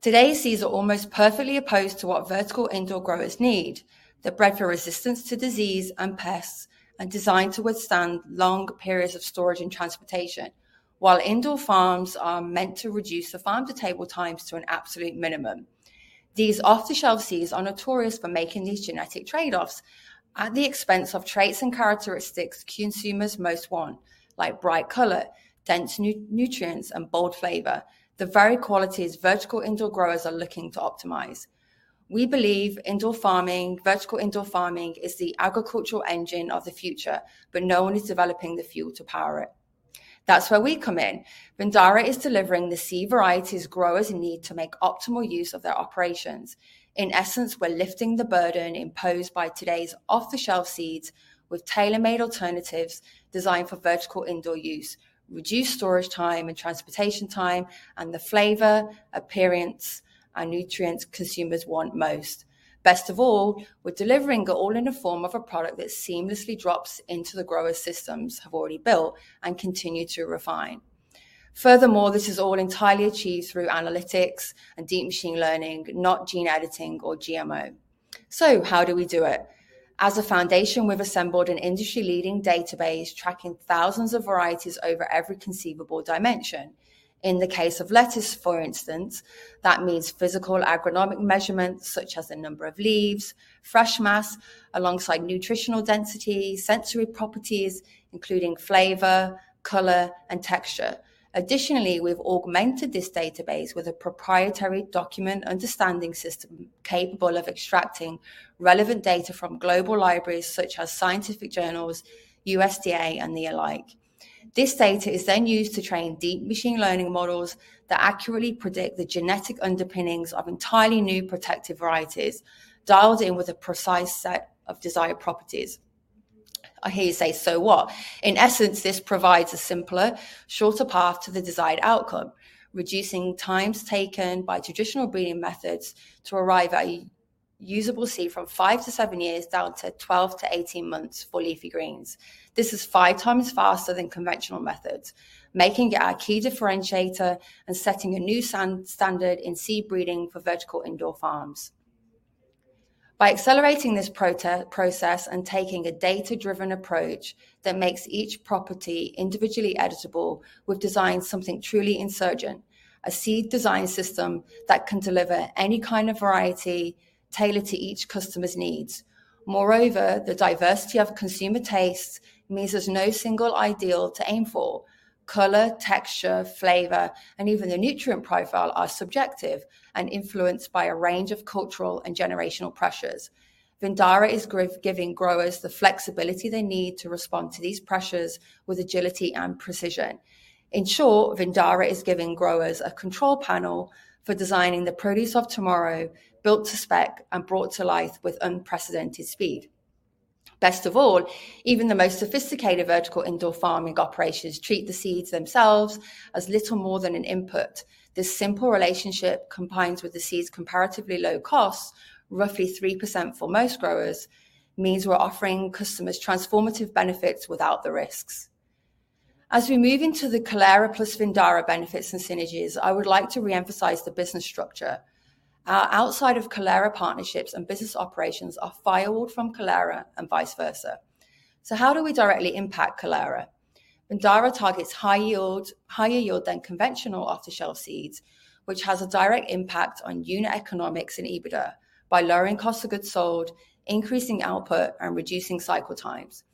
Speaker 7: Today's seeds are almost perfectly opposed to what vertical indoor growers need. They're bred for resistance to disease and pests and designed to withstand long periods of storage and transportation, while indoor farms are meant to reduce the farm-to-table times to an absolute minimum. These off-the-shelf seeds are notorious for making these genetic trade-offs at the expense of traits and characteristics consumers most want, like bright color, dense nutrients, and bold flavor, the very qualities vertical indoor growers are looking to optimize. We believe indoor farming, vertical indoor farming is the agricultural engine of the future, but no one is developing the fuel to power it. That's where we come in. Vindara is delivering the seed varieties growers need to make optimal use of their operations. In essence, we're lifting the burden imposed by today's off-the-shelf seeds with tailor-made alternatives designed for vertical indoor use, reduced storage time and transportation time, and the flavor, appearance, and nutrients consumers want most. Best of all, we're delivering it all in the form of a product that seamlessly drops into the grower systems they've already built and continue to refine. Furthermore, this is all entirely achieved through analytics and deep machine learning, not gene editing or GMO. So how do we do it? As a foundation, we've assembled an industry-leading database tracking thousands of varieties over every conceivable dimension. In the case of lettuce, for instance, that means physical agronomic measurements such as the number of leaves, fresh mass, alongside nutritional density, sensory properties including flavor, color, and texture. Additionally, we've augmented this database with a proprietary document understanding system capable of extracting relevant data from global libraries such as scientific journals, USDA, and the like. This data is then used to train deep machine learning models that accurately predict the genetic underpinnings of entirely new protective varieties, dialed in with a precise set of desired properties. I hear you say, "So what?" In essence, this provides a simpler, shorter path to the desired outcome, reducing times taken by traditional breeding methods to arrive at usable seed from 5-7 years, down to 12-18 months for leafy greens. This is 5x faster than conventional methods, making it our key differentiator and setting a new standard in seed breeding for vertical indoor farms. By accelerating this process and taking a data-driven approach that makes each property individually editable, we've designed something truly insurgent, a seed design system that can deliver any kind of variety tailored to each customer's needs. Moreover, the diversity of consumer tastes means there's no single ideal to aim for. Color, texture, flavor, and even the nutrient profile are subjective and influenced by a range of cultural and generational pressures. Vindara is giving growers the flexibility they need to respond to these pressures with agility and precision. In short, Vindara is giving growers a control panel for designing the produce of tomorrow, built to spec and brought to life with unprecedented speed. Best of all, even the most sophisticated vertical indoor farming operations treat the seeds themselves as little more than an input. This simple relationship, combined with the seed's comparatively low cost, roughly 3% for most growers, means we're offering customers transformative benefits without the risks. As we move into the Kalera plus Vindara benefits and synergies, I would like to re-emphasize the business structure. Our outside of Kalera partnerships and business operations are firewalled from Kalera and vice versa. How do we directly impact Kalera? Vindara targets high yield, higher yield than conventional off-the-shelf seeds, which has a direct impact on unit economics and EBITDA by lowering cost of goods sold, increasing output, and reducing cycle times.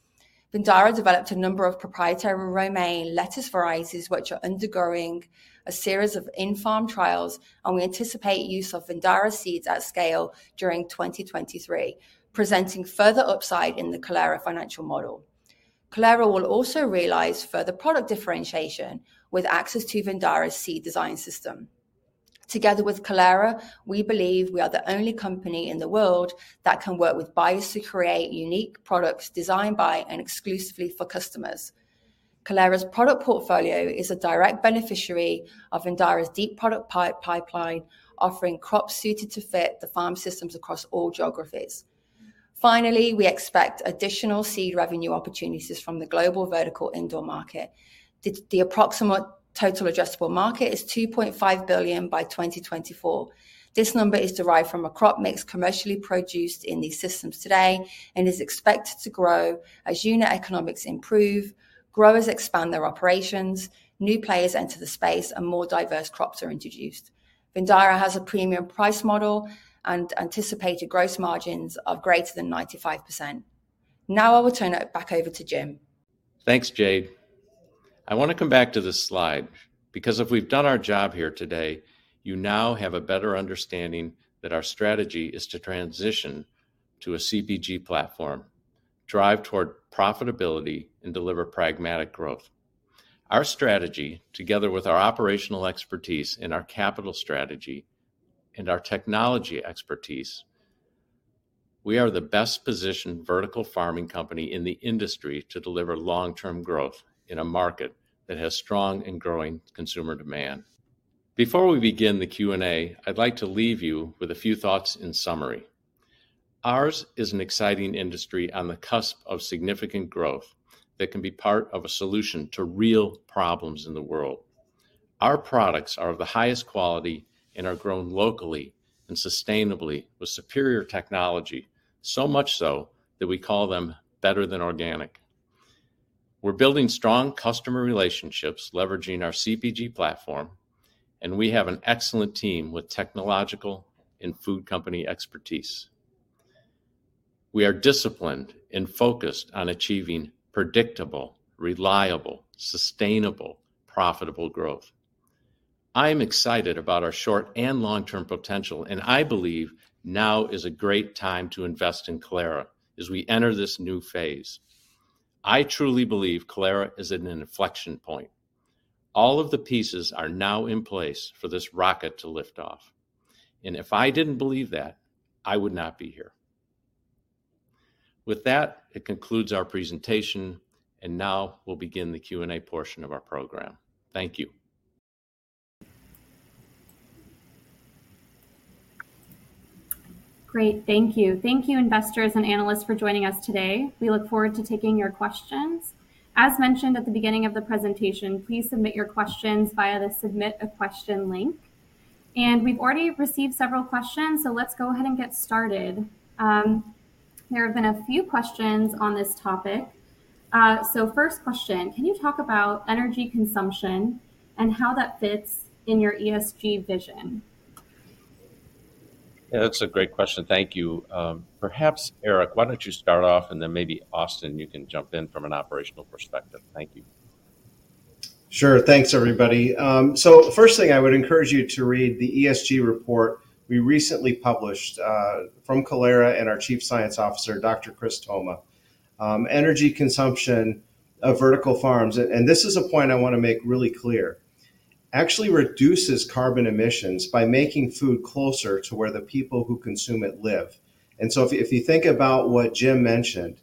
Speaker 7: Vindara developed a number of proprietary romaine lettuce varieties, which are undergoing a series of in-farm trials, and we anticipate use of Vindara seeds at scale during 2023, presenting further upside in the Kalera financial model. Kalera will also realize further product differentiation with access to Vindara's seed design system. Together with Kalera, we believe we are the only company in the world that can work with buyers to create unique products designed by and exclusively for customers. Kalera's product portfolio is a direct beneficiary of Vindara's deep product pipeline, offering crops suited to fit the farm systems across all geographies. Finally, we expect additional seed revenue opportunities from the global vertical indoor market. The approximate total addressable market is $2.5 billion by 2024. This number is derived from a crop mix commercially produced in these systems today and is expected to grow as unit economics improve, growers expand their operations, new players enter the space, and more diverse crops are introduced. Vindara has a premium price model and anticipated gross margins of greater than 95%. Now I will turn it back over to Jim.
Speaker 2: Thanks, Jade. I wanna come back to this slide because if we've done our job here today, you now have a better understanding that our strategy is to transition to a CPG platform, drive toward profitability, and deliver pragmatic growth. Our strategy, together with our operational expertise and our capital strategy and our technology expertise, we are the best-positioned vertical farming company in the industry to deliver long-term growth in a market that has strong and growing consumer demand. Before we begin the Q&A, I'd like to leave you with a few thoughts in summary. Ours is an exciting industry on the cusp of significant growth that can be part of a solution to real problems in the world. Our products are of the highest quality and are grown locally and sustainably with superior technology, so much so that we call them better than organic. We're building strong customer relationships leveraging our CPG platform, and we have an excellent team with technological and food company expertise. We are disciplined and focused on achieving predictable, reliable, sustainable, profitable growth. I am excited about our short and long-term potential, and I believe now is a great time to invest in Kalera as we enter this new phase. I truly believe Kalera is at an inflection point. All of the pieces are now in place for this rocket to lift off, and if I didn't believe that, I would not be here. With that, it concludes our presentation, and now we'll begin the Q&A portion of our program. Thank you.
Speaker 1: Great. Thank you. Thank you, investors and analysts, for joining us today. We look forward to taking your questions. As mentioned at the beginning of the presentation, please submit your questions via the Submit a Question link. We've already received several questions, so let's go ahead and get started. There have been a few questions on this topic. First question, can you talk about energy consumption and how that fits in your ESG vision?
Speaker 2: Yeah, that's a great question. Thank you. Perhaps, Aric, why don't you start off, and then maybe, Austin, you can jump in from an operational perspective. Thank you.
Speaker 3: Sure. Thanks, everybody. First thing, I would encourage you to read the ESG report we recently published from Kalera and our Chief Science Officer, Dr. Cristian Toma. Energy consumption of vertical farms, and this is a point I wanna make really clear, actually reduces carbon emissions by making food closer to where the people who consume it live. If you think about what Jim mentioned,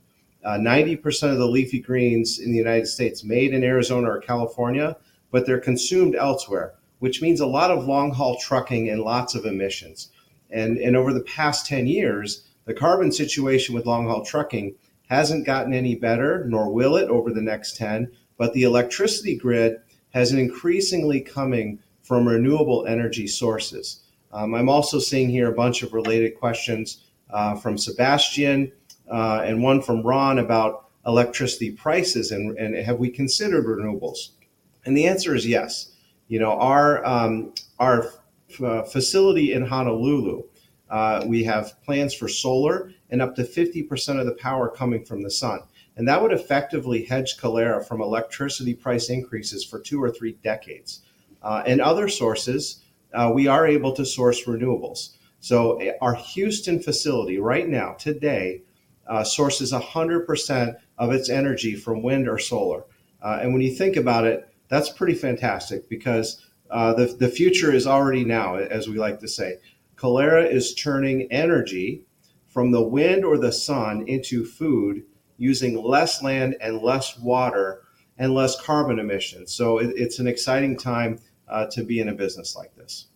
Speaker 3: 90% of the leafy greens in the United States made in Arizona or California, but they're consumed elsewhere, which means a lot of long-haul trucking and lots of emissions. Over the past 10 years, the carbon situation with long-haul trucking hasn't gotten any better, nor will it over the next 10, but the electricity grid has been increasingly coming from renewable energy sources. I'm also seeing here a bunch of related questions from Sebastian and one from Ron about electricity prices and have we considered renewables. The answer is yes. You know, our facility in Honolulu we have plans for solar and up to 50% of the power coming from the sun, and that would effectively hedge Kalera from electricity price increases for two or three decades. Other sources we are able to source renewables. Our Houston facility right now, today, sources 100% of its energy from wind or solar. When you think about it, that's pretty fantastic because the future is already now, as we like to say. Kalera is turning energy from the wind or the sun into food using less land and less water and less carbon emissions. It's an exciting time to be in a business like this.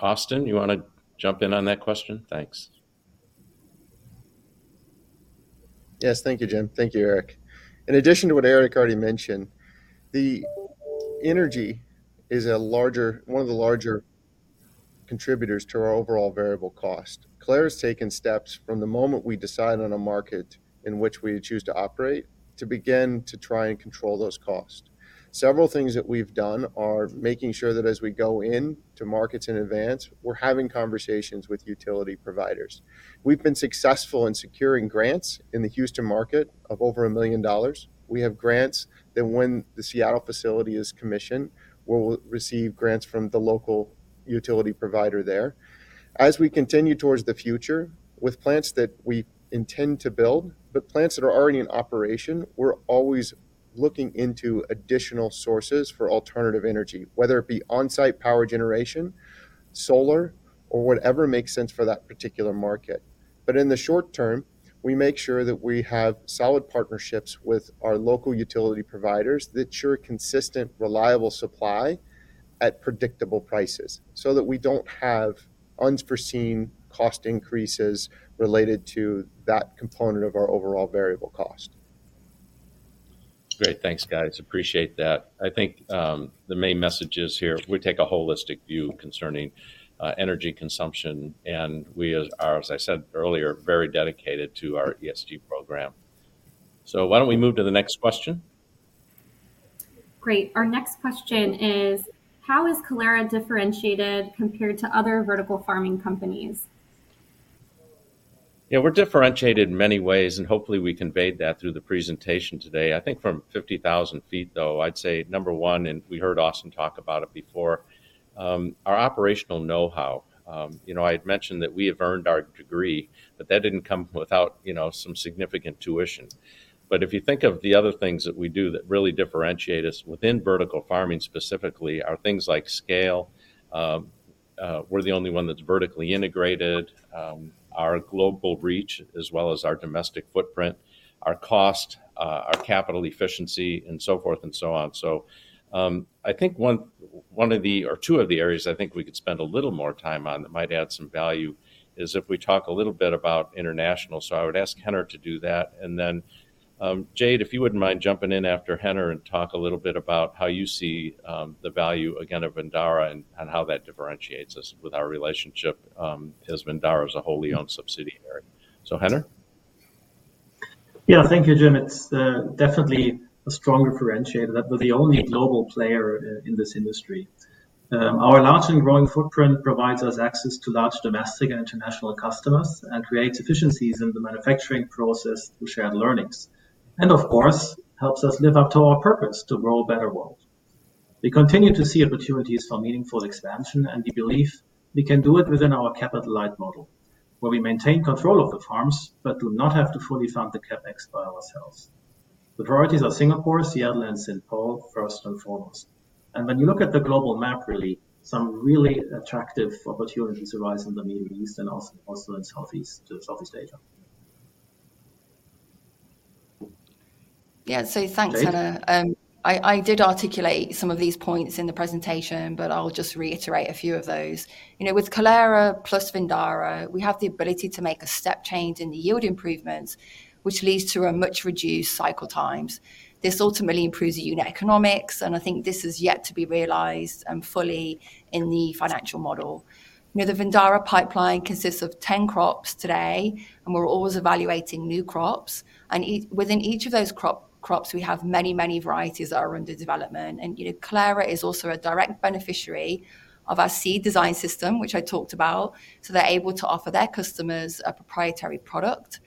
Speaker 2: Austin, you wanna jump in on that question? Thanks.
Speaker 4: Yes. Thank you, Jim. Thank you, Aric. In addition to what Aric already mentioned, the energy is one of the larger contributors to our overall variable cost. Kalera's taken steps from the moment we decide on a market in which we choose to operate to begin to try and control those costs. Several things that we've done are making sure that as we go into markets in advance, we're having conversations with utility providers. We've been successful in securing grants in the Houston market of over $1 million. We have grants that when the Seattle facility is commissioned, we'll receive grants from the local utility provider there. As we continue towards the future with plants that we intend to build, but plants that are already in operation, we're always looking into additional sources for alternative energy, whether it be on-site power generation, solar, or whatever makes sense for that particular market. In the short term, we make sure that we have solid partnerships with our local utility providers that ensure consistent, reliable supply at predictable prices, so that we don't have unforeseen cost increases related to that component of our overall variable cost.
Speaker 2: Great. Thanks, guys. Appreciate that. I think, the main message is here, we take a holistic view concerning, energy consumption, and we are, as I said earlier, very dedicated to our ESG program. Why don't we move to the next question?
Speaker 1: Great. Our next question is: How is Kalera differentiated compared to other vertical farming companies?
Speaker 2: Yeah, we're differentiated in many ways, and hopefully we conveyed that through the presentation today. I think from 50,000 ft, though, I'd say number one, and we heard Austin talk about it before, our operational know-how. You know, I had mentioned that we have earned our degree, but that didn't come without, you know, some significant tuition. If you think of the other things that we do that really differentiate us within vertical farming specifically are things like scale. We're the only one that's vertically integrated, our global reach as well as our domestic footprint, our cost, our capital efficiency, and so forth and so on. I think one of the areas I think we could spend a little more time on that might add some value is if we talk a little bit about international. I would ask Henner to do that. Jade, if you wouldn't mind jumping in after Henner and talk a little bit about how you see the value again of Vindara and how that differentiates us with our relationship, as Vindara is a wholly owned subsidiary. Henner.
Speaker 5: Yeah. Thank you, Jim. It's definitely a strong differentiator that we're the only global player in this industry. Our large and growing footprint provides us access to large domestic and international customers and creates efficiencies in the manufacturing process through shared learnings, and of course, helps us live up to our purpose to grow a better world. We continue to see opportunities for meaningful expansion, and we believe we can do it within our capital-light model, where we maintain control of the farms but do not have to fully fund the CapEx by ourselves. The priorities are Singapore, Seattle, and St. Paul, first and foremost. When you look at the global map, really, some really attractive opportunities arise in the Middle East and also in Southeast Asia.
Speaker 2: Jade.
Speaker 7: Yeah. Thanks, Henner. I did articulate some of these points in the presentation, but I'll just reiterate a few of those. You know, with Kalera plus Vindara, we have the ability to make a step change in the yield improvements, which leads to a much reduced cycle times. This ultimately improves the unit economics, and I think this is yet to be realized, fully in the financial model. You know, the Vindara pipeline consists of 10 crops today, and we're always evaluating new crops. Within each of those crops, we have many, many varieties that are under development. You know, Kalera is also a direct beneficiary of our seed design system, which I talked about, so they're able to offer their customers a proprietary product.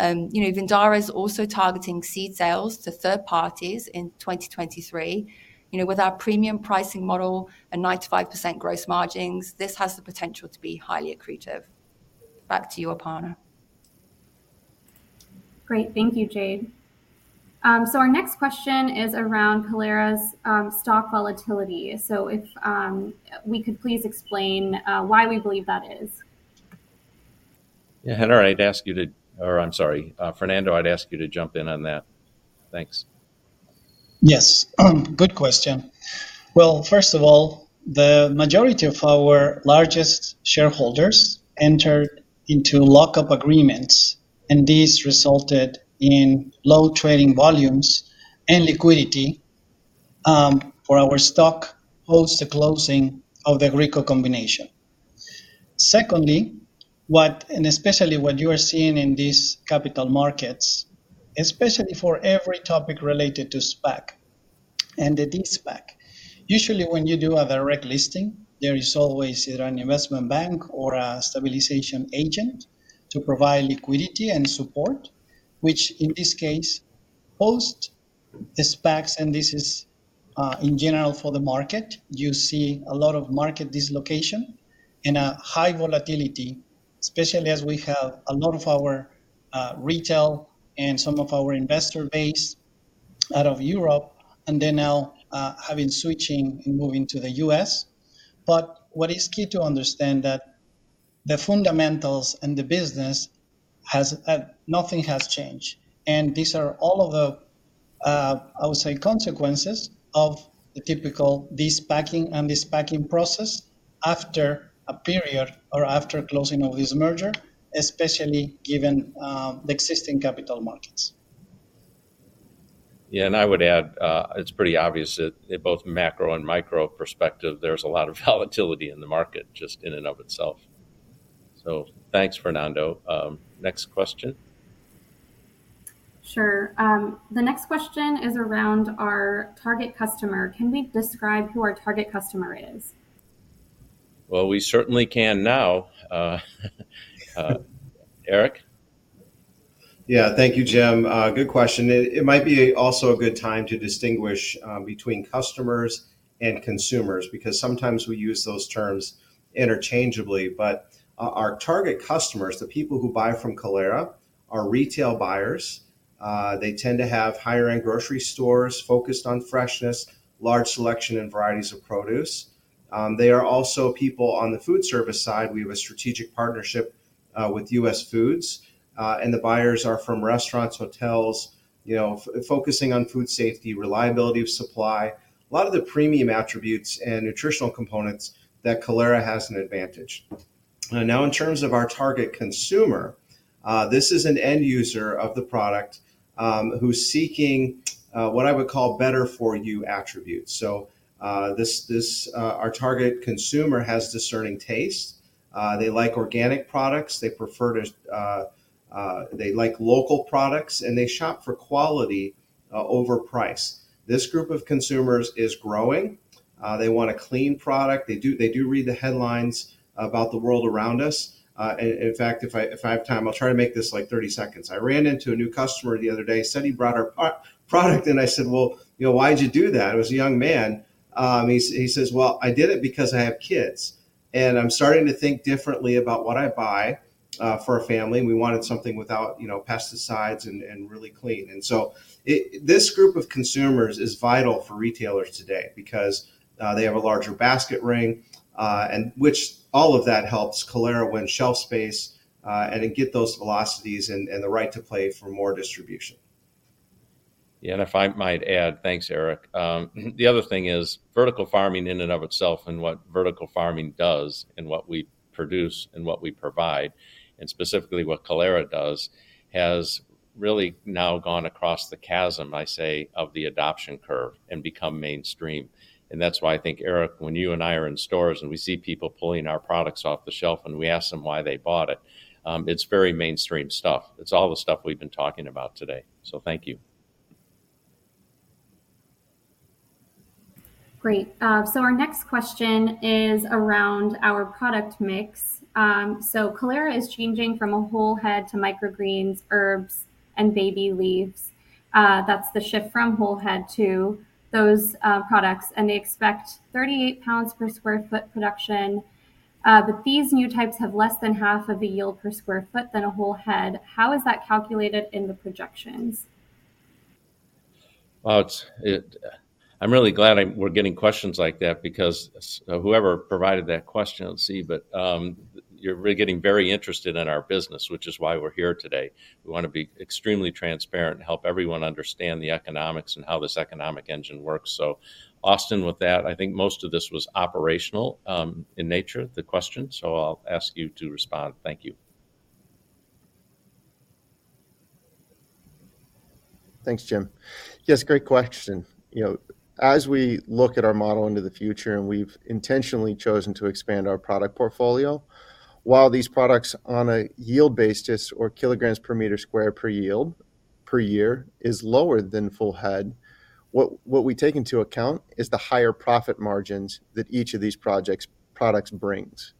Speaker 7: You know, Vindara is also targeting seed sales to third parties in 2023. You know, with our premium pricing model and 95% gross margins, this has the potential to be highly accretive. Back to you, Aparna.
Speaker 1: Great. Thank you, Jade. Our next question is around Kalera's stock volatility. If we could please explain why we believe that is.
Speaker 2: Yeah, Fernando, I'd ask you to jump in on that. Thanks.
Speaker 6: Yes. Good question. Well, first of all, the majority of our largest shareholders entered into lock-up agreements, and this resulted in low trading volumes and liquidity for our stock post the closing of the Agrico combination. Secondly, and especially what you are seeing in these capital markets, especially for every topic related to SPAC and the de-SPAC. Usually, when you do a direct listing, there is always either an investment bank or a stabilization agent to provide liquidity and support, which in this case, post the SPACs, and this is in general for the market, you see a lot of market dislocation and a high volatility, especially as we have a lot of our retail and some of our investor base out of Europe, and they're now having to switch and moving to the U.S. What is key to understand that the fundamentals and the business, nothing has changed. These are all of the, I would say, consequences of the typical de-SPACing and SPACing process after a period or after closing of this merger, especially given the existing capital markets.
Speaker 2: Yeah. I would add, it's pretty obvious that in both macro and micro perspective, there's a lot of volatility in the market just in and of itself. Thanks, Fernando. Next question.
Speaker 1: Sure. The next question is around our target customer. Can we describe who our target customer is?
Speaker 2: Well, we certainly can now. Aric.
Speaker 3: Yeah. Thank you, Jim. Good question. It might be also a good time to distinguish between customers and consumers, because sometimes we use those terms interchangeably. Our target customers, the people who buy from Kalera, are retail buyers. They tend to have higher-end grocery stores focused on freshness, large selection and varieties of produce. They are also people on the food service side. We have a strategic partnership with US Foods, and the buyers are from restaurants, hotels, you know, focusing on food safety, reliability of supply, a lot of the premium attributes and nutritional components that Kalera has an advantage. Now in terms of our target consumer, this is an end user of the product, who's seeking what I would call better for you attributes. This, our target consumer, has discerning taste. They like organic products. They like local products, and they shop for quality over price. This group of consumers is growing. They want a clean product. They do read the headlines about the world around us. In fact, if I have time, I'll try to make this, like, 30 seconds. I ran into a new customer the other day, said he bought our product, and I said, "Well, you know, why'd you do that?" It was a young man. He says, "Well, I did it because I have kids, and I'm starting to think differently about what I buy for a family, and we wanted something without, you know, pesticides and really clean." This group of consumers is vital for retailers today because they have a larger basket ring, and which all of that helps Kalera win shelf space, and then get those velocities and the right to play for more distribution.
Speaker 2: Yeah. If I might add, thanks, Aric. The other thing is vertical farming in and of itself and what vertical farming does and what we produce and what we provide, and specifically what Kalera does, has really now gone across the chasm, I say, of the adoption curve and become mainstream. That's why I think, Aric, when you and I are in stores and we see people pulling our products off the shelf and we ask them why they bought it's very mainstream stuff. It's all the stuff we've been talking about today. Thank you.
Speaker 1: Great. Our next question is around our product mix. Kalera is changing from a whole head to microgreens, herbs, and baby leaves. That's the shift from whole head to those products, and they expect 38 pounds per sq ft production, but these new types have less than half of the yield per sq ft than a whole head. How is that calculated in the projections?
Speaker 2: Well, I'm really glad we're getting questions like that because whoever provided that question, you're really getting very interested in our business, which is why we're here today. We wanna be extremely transparent and help everyone understand the economics and how this economic engine works. Austin, with that, I think most of this was operational in nature, the question, so I'll ask you to respond. Thank you.
Speaker 4: Thanks, Jim. Yes, great question. You know, as we look at our model into the future, and we've intentionally chosen to expand our product portfolio, while these products on a yield basis or kilograms per meter square per yield per year is lower than full head, what we take into account is the higher profit margins that each of these products brings.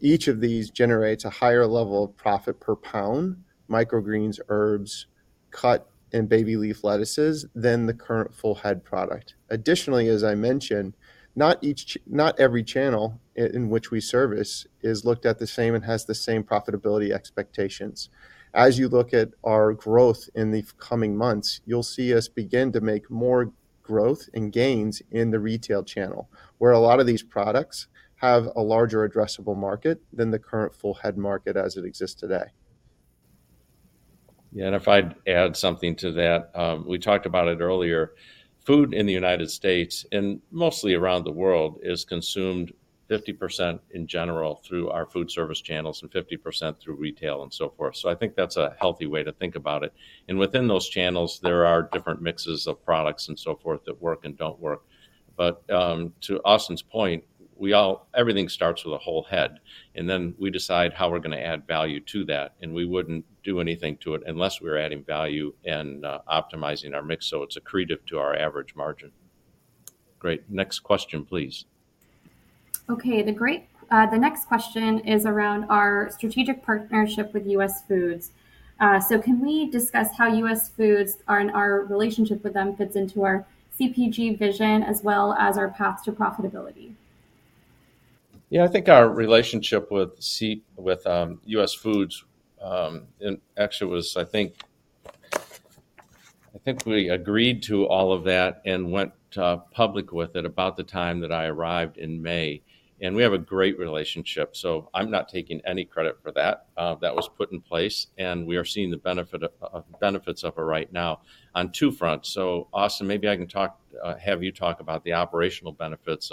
Speaker 4: Each of these generates a higher level of profit per pound, microgreens, herbs, cut and baby leaf lettuces, than the current full head product. Additionally, as I mentioned, not every channel in which we service is looked at the same and has the same profitability expectations. As you look at our growth in the forthcoming months, you'll see us begin to make more growth and gains in the retail channel, where a lot of these products have a larger addressable market than the current full head market as it exists today.
Speaker 2: Yeah. If I'd add something to that, we talked about it earlier. Food in the United States and mostly around the world is consumed 50% in general through our food service channels and 50% through retail and so forth. I think that's a healthy way to think about it. Within those channels, there are different mixes of products and so forth that work and don't work. To Austin's point, everything starts with a whole head, and then we decide how we're gonna add value to that, and we wouldn't do anything to it unless we're adding value and optimizing our mix, so it's accretive to our average margin. Great. Next question, please.
Speaker 1: Okay. The next question is around our strategic partnership with US Foods. Can we discuss how US Foods and our relationship with them fits into our CPG vision as well as our path to profitability?
Speaker 2: Yeah. I think our relationship with US Foods, and actually I think we agreed to all of that and went public with it about the time that I arrived in May, and we have a great relationship, so I'm not taking any credit for that. That was put in place, and we are seeing the benefits of it right now on two fronts. Austin, maybe I can have you talk about the operational benefits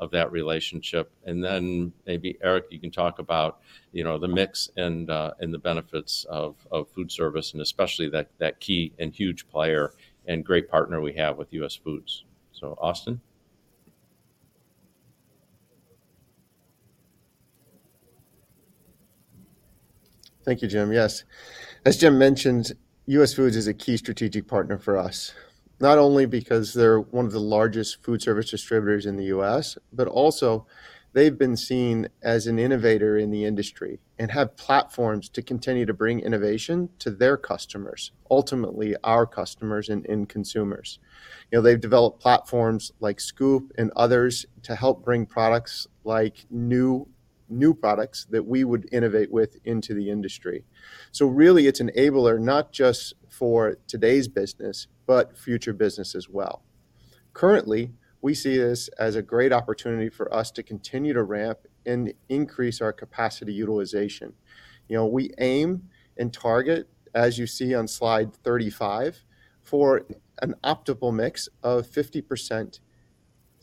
Speaker 2: of that relationship, and then maybe Eric, you can talk about you know the mix and the benefits of food service and especially that key and huge player and great partner we have with US Foods. Austin.
Speaker 4: Thank you, Jim. Yes. As Jim mentioned, US Foods is a key strategic partner for us, not only because they're one of the largest food service distributors in the U.S., but also they've been seen as an innovator in the industry and have platforms to continue to bring innovation to their customers, ultimately our customers and end consumers. You know, they've developed platforms like Scoop and others to help bring products like new products that we would innovate with into the industry. Really it's an enabler not just for today's business, but future business as well. Currently, we see this as a great opportunity for us to continue to ramp and increase our capacity utilization. You know, we aim and target, as you see on Slide 35, for an optimal mix of 50%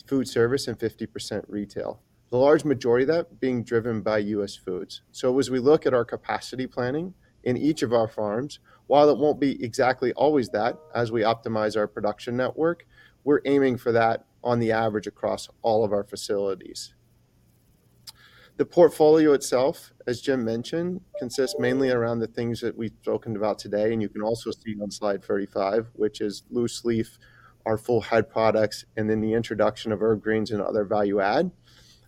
Speaker 4: food service and 50% retail. The large majority of that being driven by US Foods. As we look at our capacity planning in each of our farms, while it won't be exactly always that as we optimize our production network, we're aiming for that on the average across all of our facilities. The portfolio itself, as Jim mentioned, consists mainly around the things that we've spoken about today, and you can also see on Slide 35, which is loose leaf, our full head products, and then the introduction of herb greens and other value add.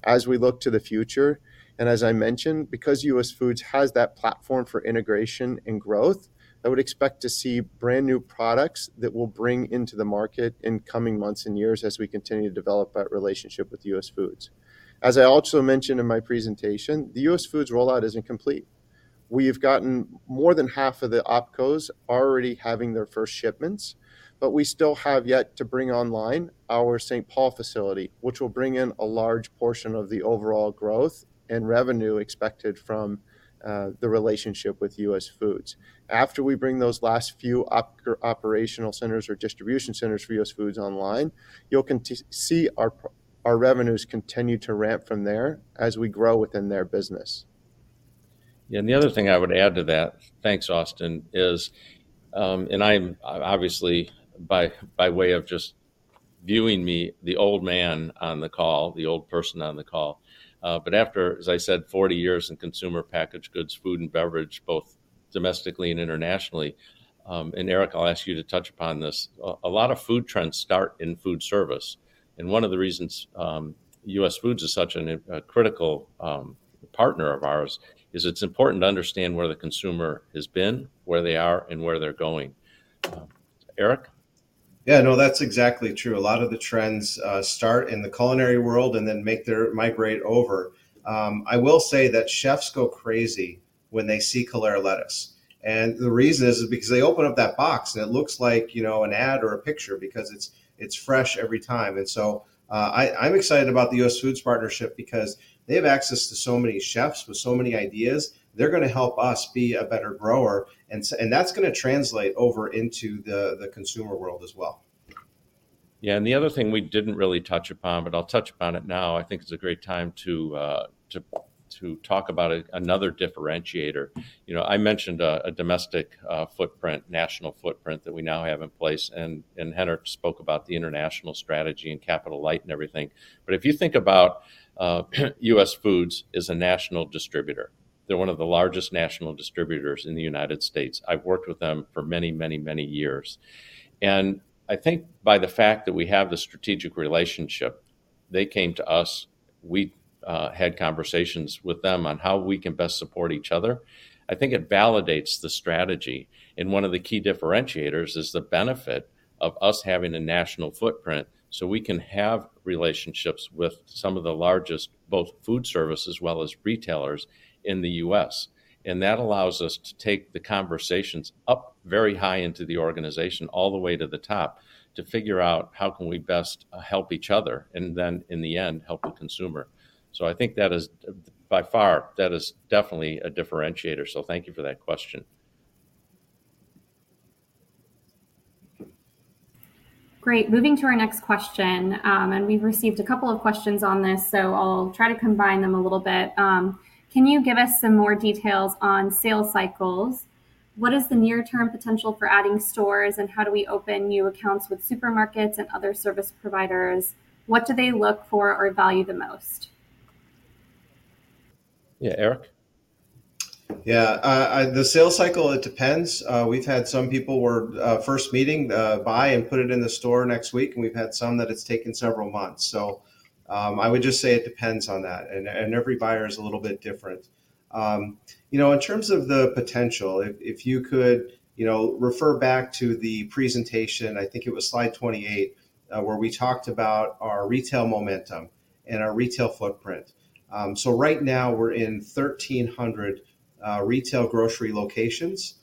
Speaker 4: As we look to the future, and as I mentioned, because US Foods has that platform for integration and growth, I would expect to see brand-new products that we'll bring into the market in coming months and years as we continue to develop that relationship with US Foods. As I also mentioned in my presentation, the US Foods rollout isn't complete. We've gotten more than half of the opcos already having their first shipments, but we still have yet to bring online our St. Paul facility, which will bring in a large portion of the overall growth and revenue expected from the relationship with US Foods. After we bring those last few operational centers or distribution centers for US Foods online, you'll see our revenues continue to ramp from there as we grow within their business.
Speaker 2: Yeah. The other thing I would add to that, thanks Austin, is I'm obviously, by way of just viewing me, the old person on the call, but after, as I said, 40 years in consumer packaged goods, food and beverage, both domestically and internationally, and Aric, I'll ask you to touch upon this, a lot of food trends start in food service. One of the reasons US Foods is such a critical partner of ours is it's important to understand where the consumer has been, where they are, and where they're going. Aric?
Speaker 3: Yeah, no, that's exactly true. A lot of the trends start in the culinary world and then make their migrate over. I will say that chefs go crazy when they see Kalera lettuce. The reason is because they open up that box and it looks like, you know, an ad or a picture because it's fresh every time. I'm excited about the US Foods partnership because they have access to so many chefs with so many ideas. They're gonna help us be a better grower, and that's gonna translate over into the consumer world as well.
Speaker 2: Yeah. The other thing we didn't really touch upon, but I'll touch upon it now. I think it's a great time to talk about another differentiator. You know, I mentioned a domestic footprint, national footprint that we now have in place and Henner spoke about the international strategy and capital light and everything. If you think about, US Foods is a national distributor. They're one of the largest national distributors in the United States. I've worked with them for many years. I think by the fact that we have the strategic relationship, they came to us, we had conversations with them on how we can best support each other. I think it validates the strategy. One of the key differentiators is the benefit of us having a national footprint, so we can have relationships with some of the largest, both food service as well as retailers in the U.S. That allows us to take the conversations up very high into the organization, all the way to the top, to figure out how can we best help each other, and then in the end, help the consumer. I think that is by far, that is definitely a differentiator. Thank you for that question.
Speaker 1: Great. Moving to our next question, and we've received a couple of questions on this, so I'll try to combine them a little bit. Can you give us some more details on sales cycles? What is the near term potential for adding stores and how do we open new accounts with supermarkets and other service providers? What do they look for or value the most?
Speaker 2: Yeah, Aric?
Speaker 3: The sales cycle, it depends. We've had some people we're first meeting buy and put it in the store next week, and we've had some that it's taken several months. I would just say it depends on that and every buyer is a little bit different. You know, in terms of the potential, if you could, you know, refer back to the presentation, I think it was Slide 28, where we talked about our retail momentum and our retail footprint. Right now we're in 1,300 retail grocery locations.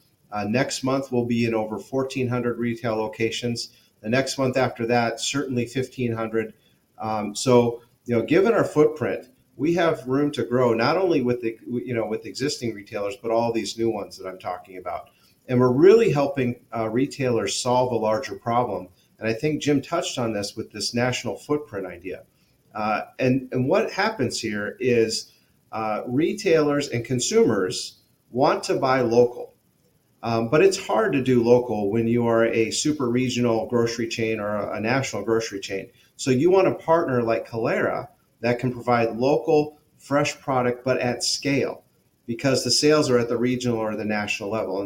Speaker 3: Next month we'll be in over 1,400 retail locations. The next month after that, certainly 1,500. You know, given our footprint, we have room to grow, not only with, you know, existing retailers, but all these new ones that I'm talking about. We're really helping retailers solve a larger problem. I think Jim touched on this with this national footprint idea. What happens here is, retailers and consumers want to buy local. It's hard to do local when you are a super-regional grocery chain or a national grocery chain. You want a partner like Kalera that can provide local, fresh product, but at scale because the sales are at the regional or the national level.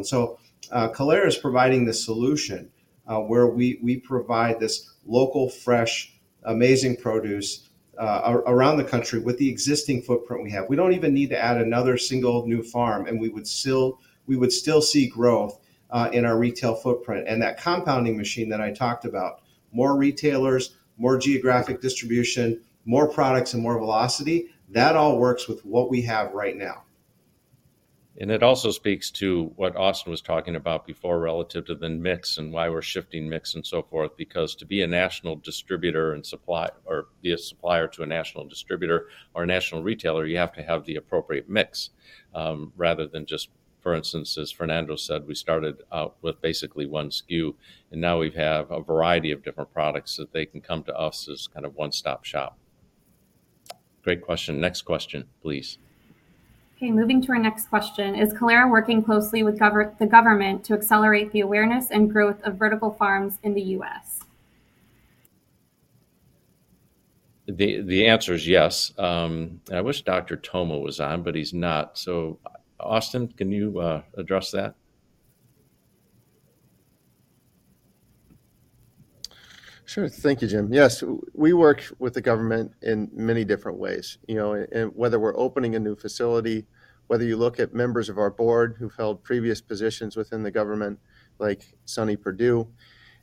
Speaker 3: Kalera is providing the solution where we provide this local, fresh, amazing produce around the country with the existing footprint we have. We don't even need to add another single new farm, and we would still see growth. In our retail footprint, and that compounding machine that I talked about, more retailers, more geographic distribution, more products and more velocity, that all works with what we have right now.
Speaker 2: It also speaks to what Austin was talking about before relative to the mix and why we're shifting mix and so forth, because to be a national distributor or be a supplier to a national distributor or a national retailer, you have to have the appropriate mix, rather than just, for instance, as Fernando said, we started out with basically one SKU, and now we have a variety of different products that they can come to us as kind of one-stop shop. Great question. Next question, please.
Speaker 1: Okay, moving to our next question. Is Kalera working closely with the government to accelerate the awareness and growth of vertical farms in the U.S.?
Speaker 2: The answer is yes. I wish Dr. Toma was on, but he's not. Austin, can you address that?
Speaker 4: Sure. Thank you, Jim. Yes, we work with the government in many different ways, you know, and whether we're opening a new facility, whether you look at members of our board who've held previous positions within the government, like Sonny Perdue,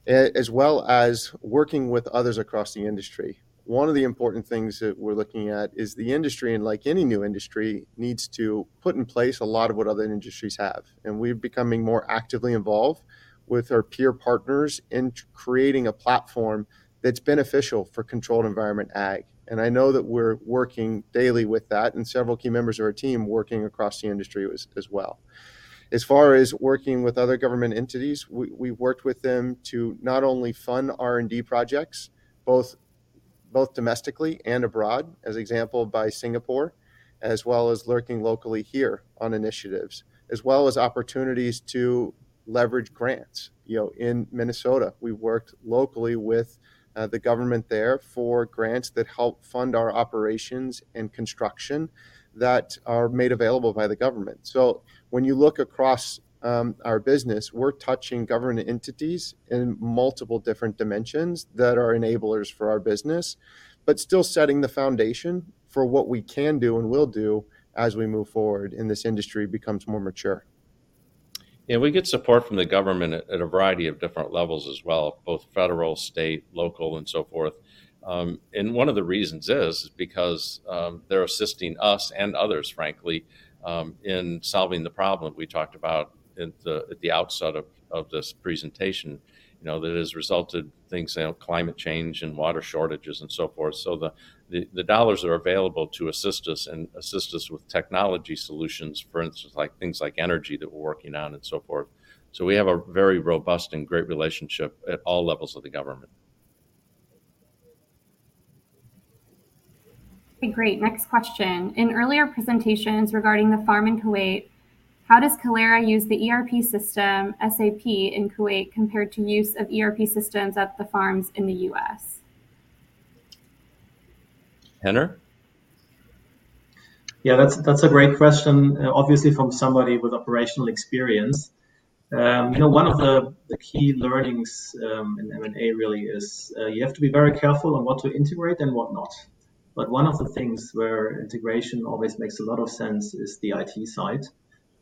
Speaker 4: as well as working with others across the industry. One of the important things that we're looking at is the industry, and like any new industry, needs to put in place a lot of what other industries have. We're becoming more actively involved with our peer partners in creating a platform that's beneficial for controlled environment ag. I know that we're working daily with that, and several key members of our team working across the industry as well. As far as working with other government entities, we've worked with them to not only fund R&D projects, both domestically and abroad, as exemplified by Singapore, as well as working locally here on initiatives, as well as opportunities to leverage grants. You know, in Minnesota, we've worked locally with the government there for grants that help fund our operations and construction that are made available by the government. When you look across our business, we're touching government entities in multiple different dimensions that are enablers for our business, but still setting the foundation for what we can do and will do as we move forward and this industry becomes more mature.
Speaker 2: Yeah, we get support from the government at a variety of different levels as well, both federal, state, local and so forth. One of the reasons is because they're assisting us and others, frankly, in solving the problem we talked about at the outset of this presentation, you know, that has resulted things, you know, climate change and water shortages and so forth. The dollars are available to assist us with technology solutions, for instance, like things like energy that we're working on and so forth. We have a very robust and great relationship at all levels of the government.
Speaker 1: Okay, great. Next question. In earlier presentations regarding the farm in Kuwait, how does Kalera use the ERP system SAP in Kuwait compared to use of ERP systems at the farms in the U.S.?
Speaker 2: Henner?
Speaker 5: Yeah, that's a great question, obviously from somebody with operational experience. You know, one of the key learnings in M&A really is you have to be very careful on what to integrate and what not. One of the things where integration always makes a lot of sense is the IT side.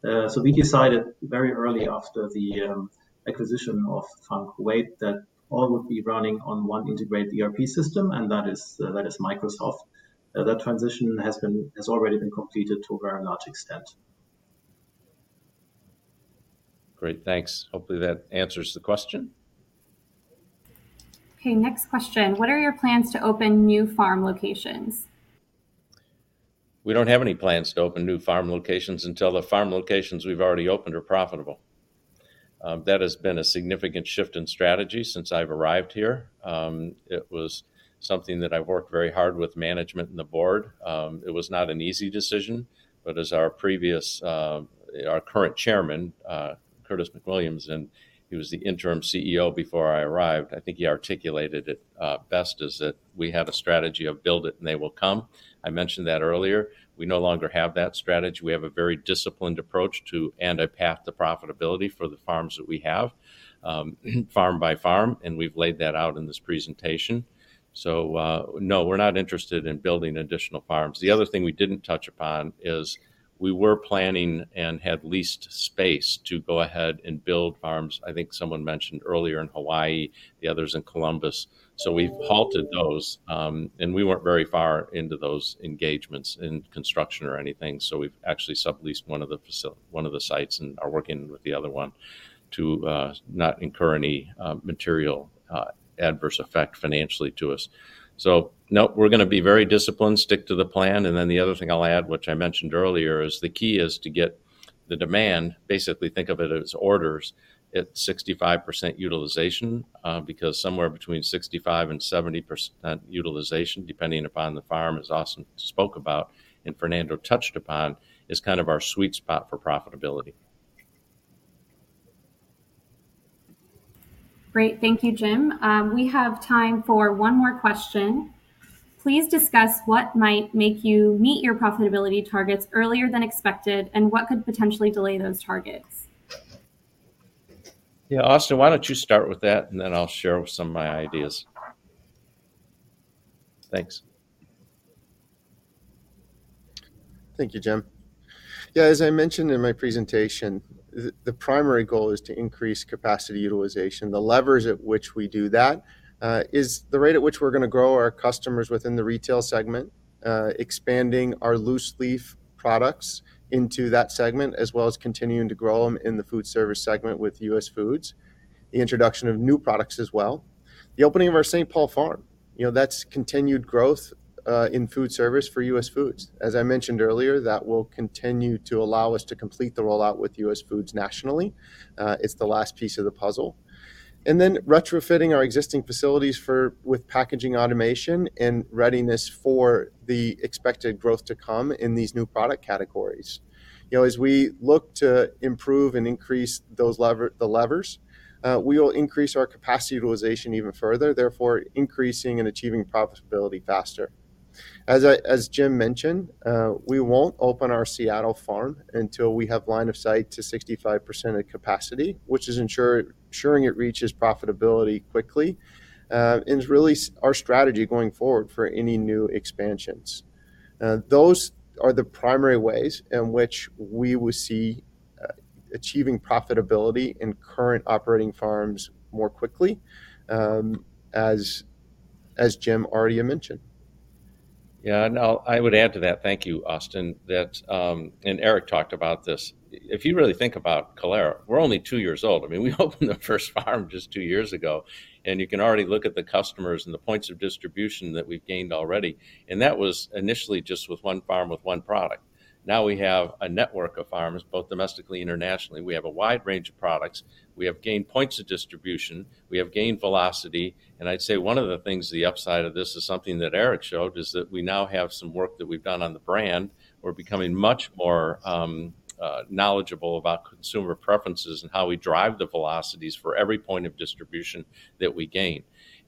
Speaker 5: We decided very early after the acquisition of &ever GmbH that all would be running on one integrated ERP system, and that is Microsoft. That transition has already been completed to a very large extent.
Speaker 2: Great. Thanks. Hopefully, that answers the question.
Speaker 1: Okay, next question. What are your plans to open new farm locations?
Speaker 2: We don't have any plans to open new farm locations until the farm locations we've already opened are profitable. That has been a significant shift in strategy since I've arrived here. It was something that I worked very hard with management and the board. It was not an easy decision, but as our current chairman, Curtis McWilliams, and he was the interim CEO before I arrived, I think he articulated it best, is that we have a strategy of build it and they will come. I mentioned that earlier. We no longer have that strategy. We have a very disciplined approach to and a path to profitability for the farms that we have, farm by farm, and we've laid that out in this presentation. No, we're not interested in building additional farms. The other thing we didn't touch upon is we were planning and had leased space to go ahead and build farms. I think someone mentioned earlier in Hawaii, the others in Columbus. We've halted those, and we weren't very far into those engagements in construction or anything, so we've actually subleased one of the sites and are working with the other one to not incur any material adverse effect financially to us. No, we're gonna be very disciplined, stick to the plan. The other thing I'll add, which I mentioned earlier, is the key is to get the demand, basically think of it as orders, at 65% utilization, because somewhere between 65% and 70% utilization, depending upon the farm, as Austin spoke about and Fernando touched upon, is kind of our sweet spot for profitability.
Speaker 1: Great. Thank you, Jim. We have time for one more question. Please discuss what might make you meet your profitability targets earlier than expected, and what could potentially delay those targets.
Speaker 2: Yeah, Austin, why don't you start with that, and then I'll share some of my ideas. Thanks.
Speaker 4: Thank you, Jim. Yeah, as I mentioned in my presentation, the primary goal is to increase capacity utilization. The levers at which we do that is the rate at which we're gonna grow our customers within the retail segment, expanding our loose leaf products into that segment, as well as continuing to grow them in the food service segment with US Foods. The introduction of new products as well. The opening of our St. Paul farm, you know, that's continued growth in food service for US Foods. As I mentioned earlier, that will continue to allow us to complete the rollout with US Foods nationally. It's the last piece of the puzzle. Retrofitting our existing facilities for with packaging automation and readiness for the expected growth to come in these new product categories. You know, as we look to improve and increase those levers, we will increase our capacity utilization even further, therefore increasing and achieving profitability faster. As Jim mentioned, we won't open our Seattle farm until we have line of sight to 65% of capacity, which is ensuring it reaches profitability quickly, and is really our strategy going forward for any new expansions. Those are the primary ways in which we will see achieving profitability in current operating farms more quickly, as Jim already mentioned.
Speaker 2: Yeah. No, I would add to that, thank you, Austin, that and Eric talked about this. If you really think about Kalera, we're only two years old. I mean, we opened the first farm just two years ago, and you can already look at the customers and the points of distribution that we've gained already. That was initially just with one farm, with one product. Now we have a network of farms, both domestically, internationally. We have a wide range of products. We have gained points of distribution. We have gained velocity. I'd say one of the things, the upside of this is something that Eric showed, is that we now have some work that we've done on the brand. We're becoming much more knowledgeable about consumer preferences and how we drive the velocities for every point of distribution that we gain.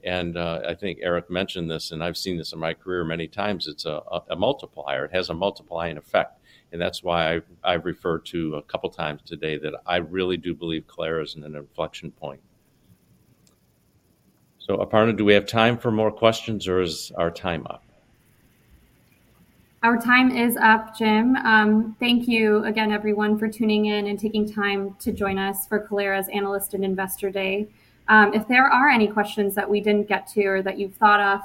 Speaker 2: I think Aric mentioned this, and I've seen this in my career many times. It's a multiplier. It has a multiplying effect. That's why I've referred to a couple times today that I really do believe Kalera is in an inflection point. Aparna, do we have time for more questions, or is our time up?
Speaker 1: Our time is up, Jim. Thank you again everyone for tuning in and taking time to join us for Kalera's Analyst and Investor Day. If there are any questions that we didn't get to or that you've thought of,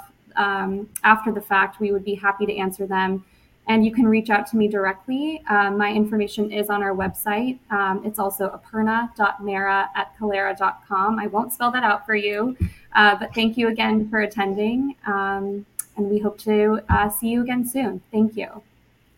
Speaker 1: after the fact, we would be happy to answer them. You can reach out to me directly. My information is on our website. It's also aparna.mehra@kalera.com. I won't spell that out for you. Thank you again for attending, and we hope to see you again soon. Thank you.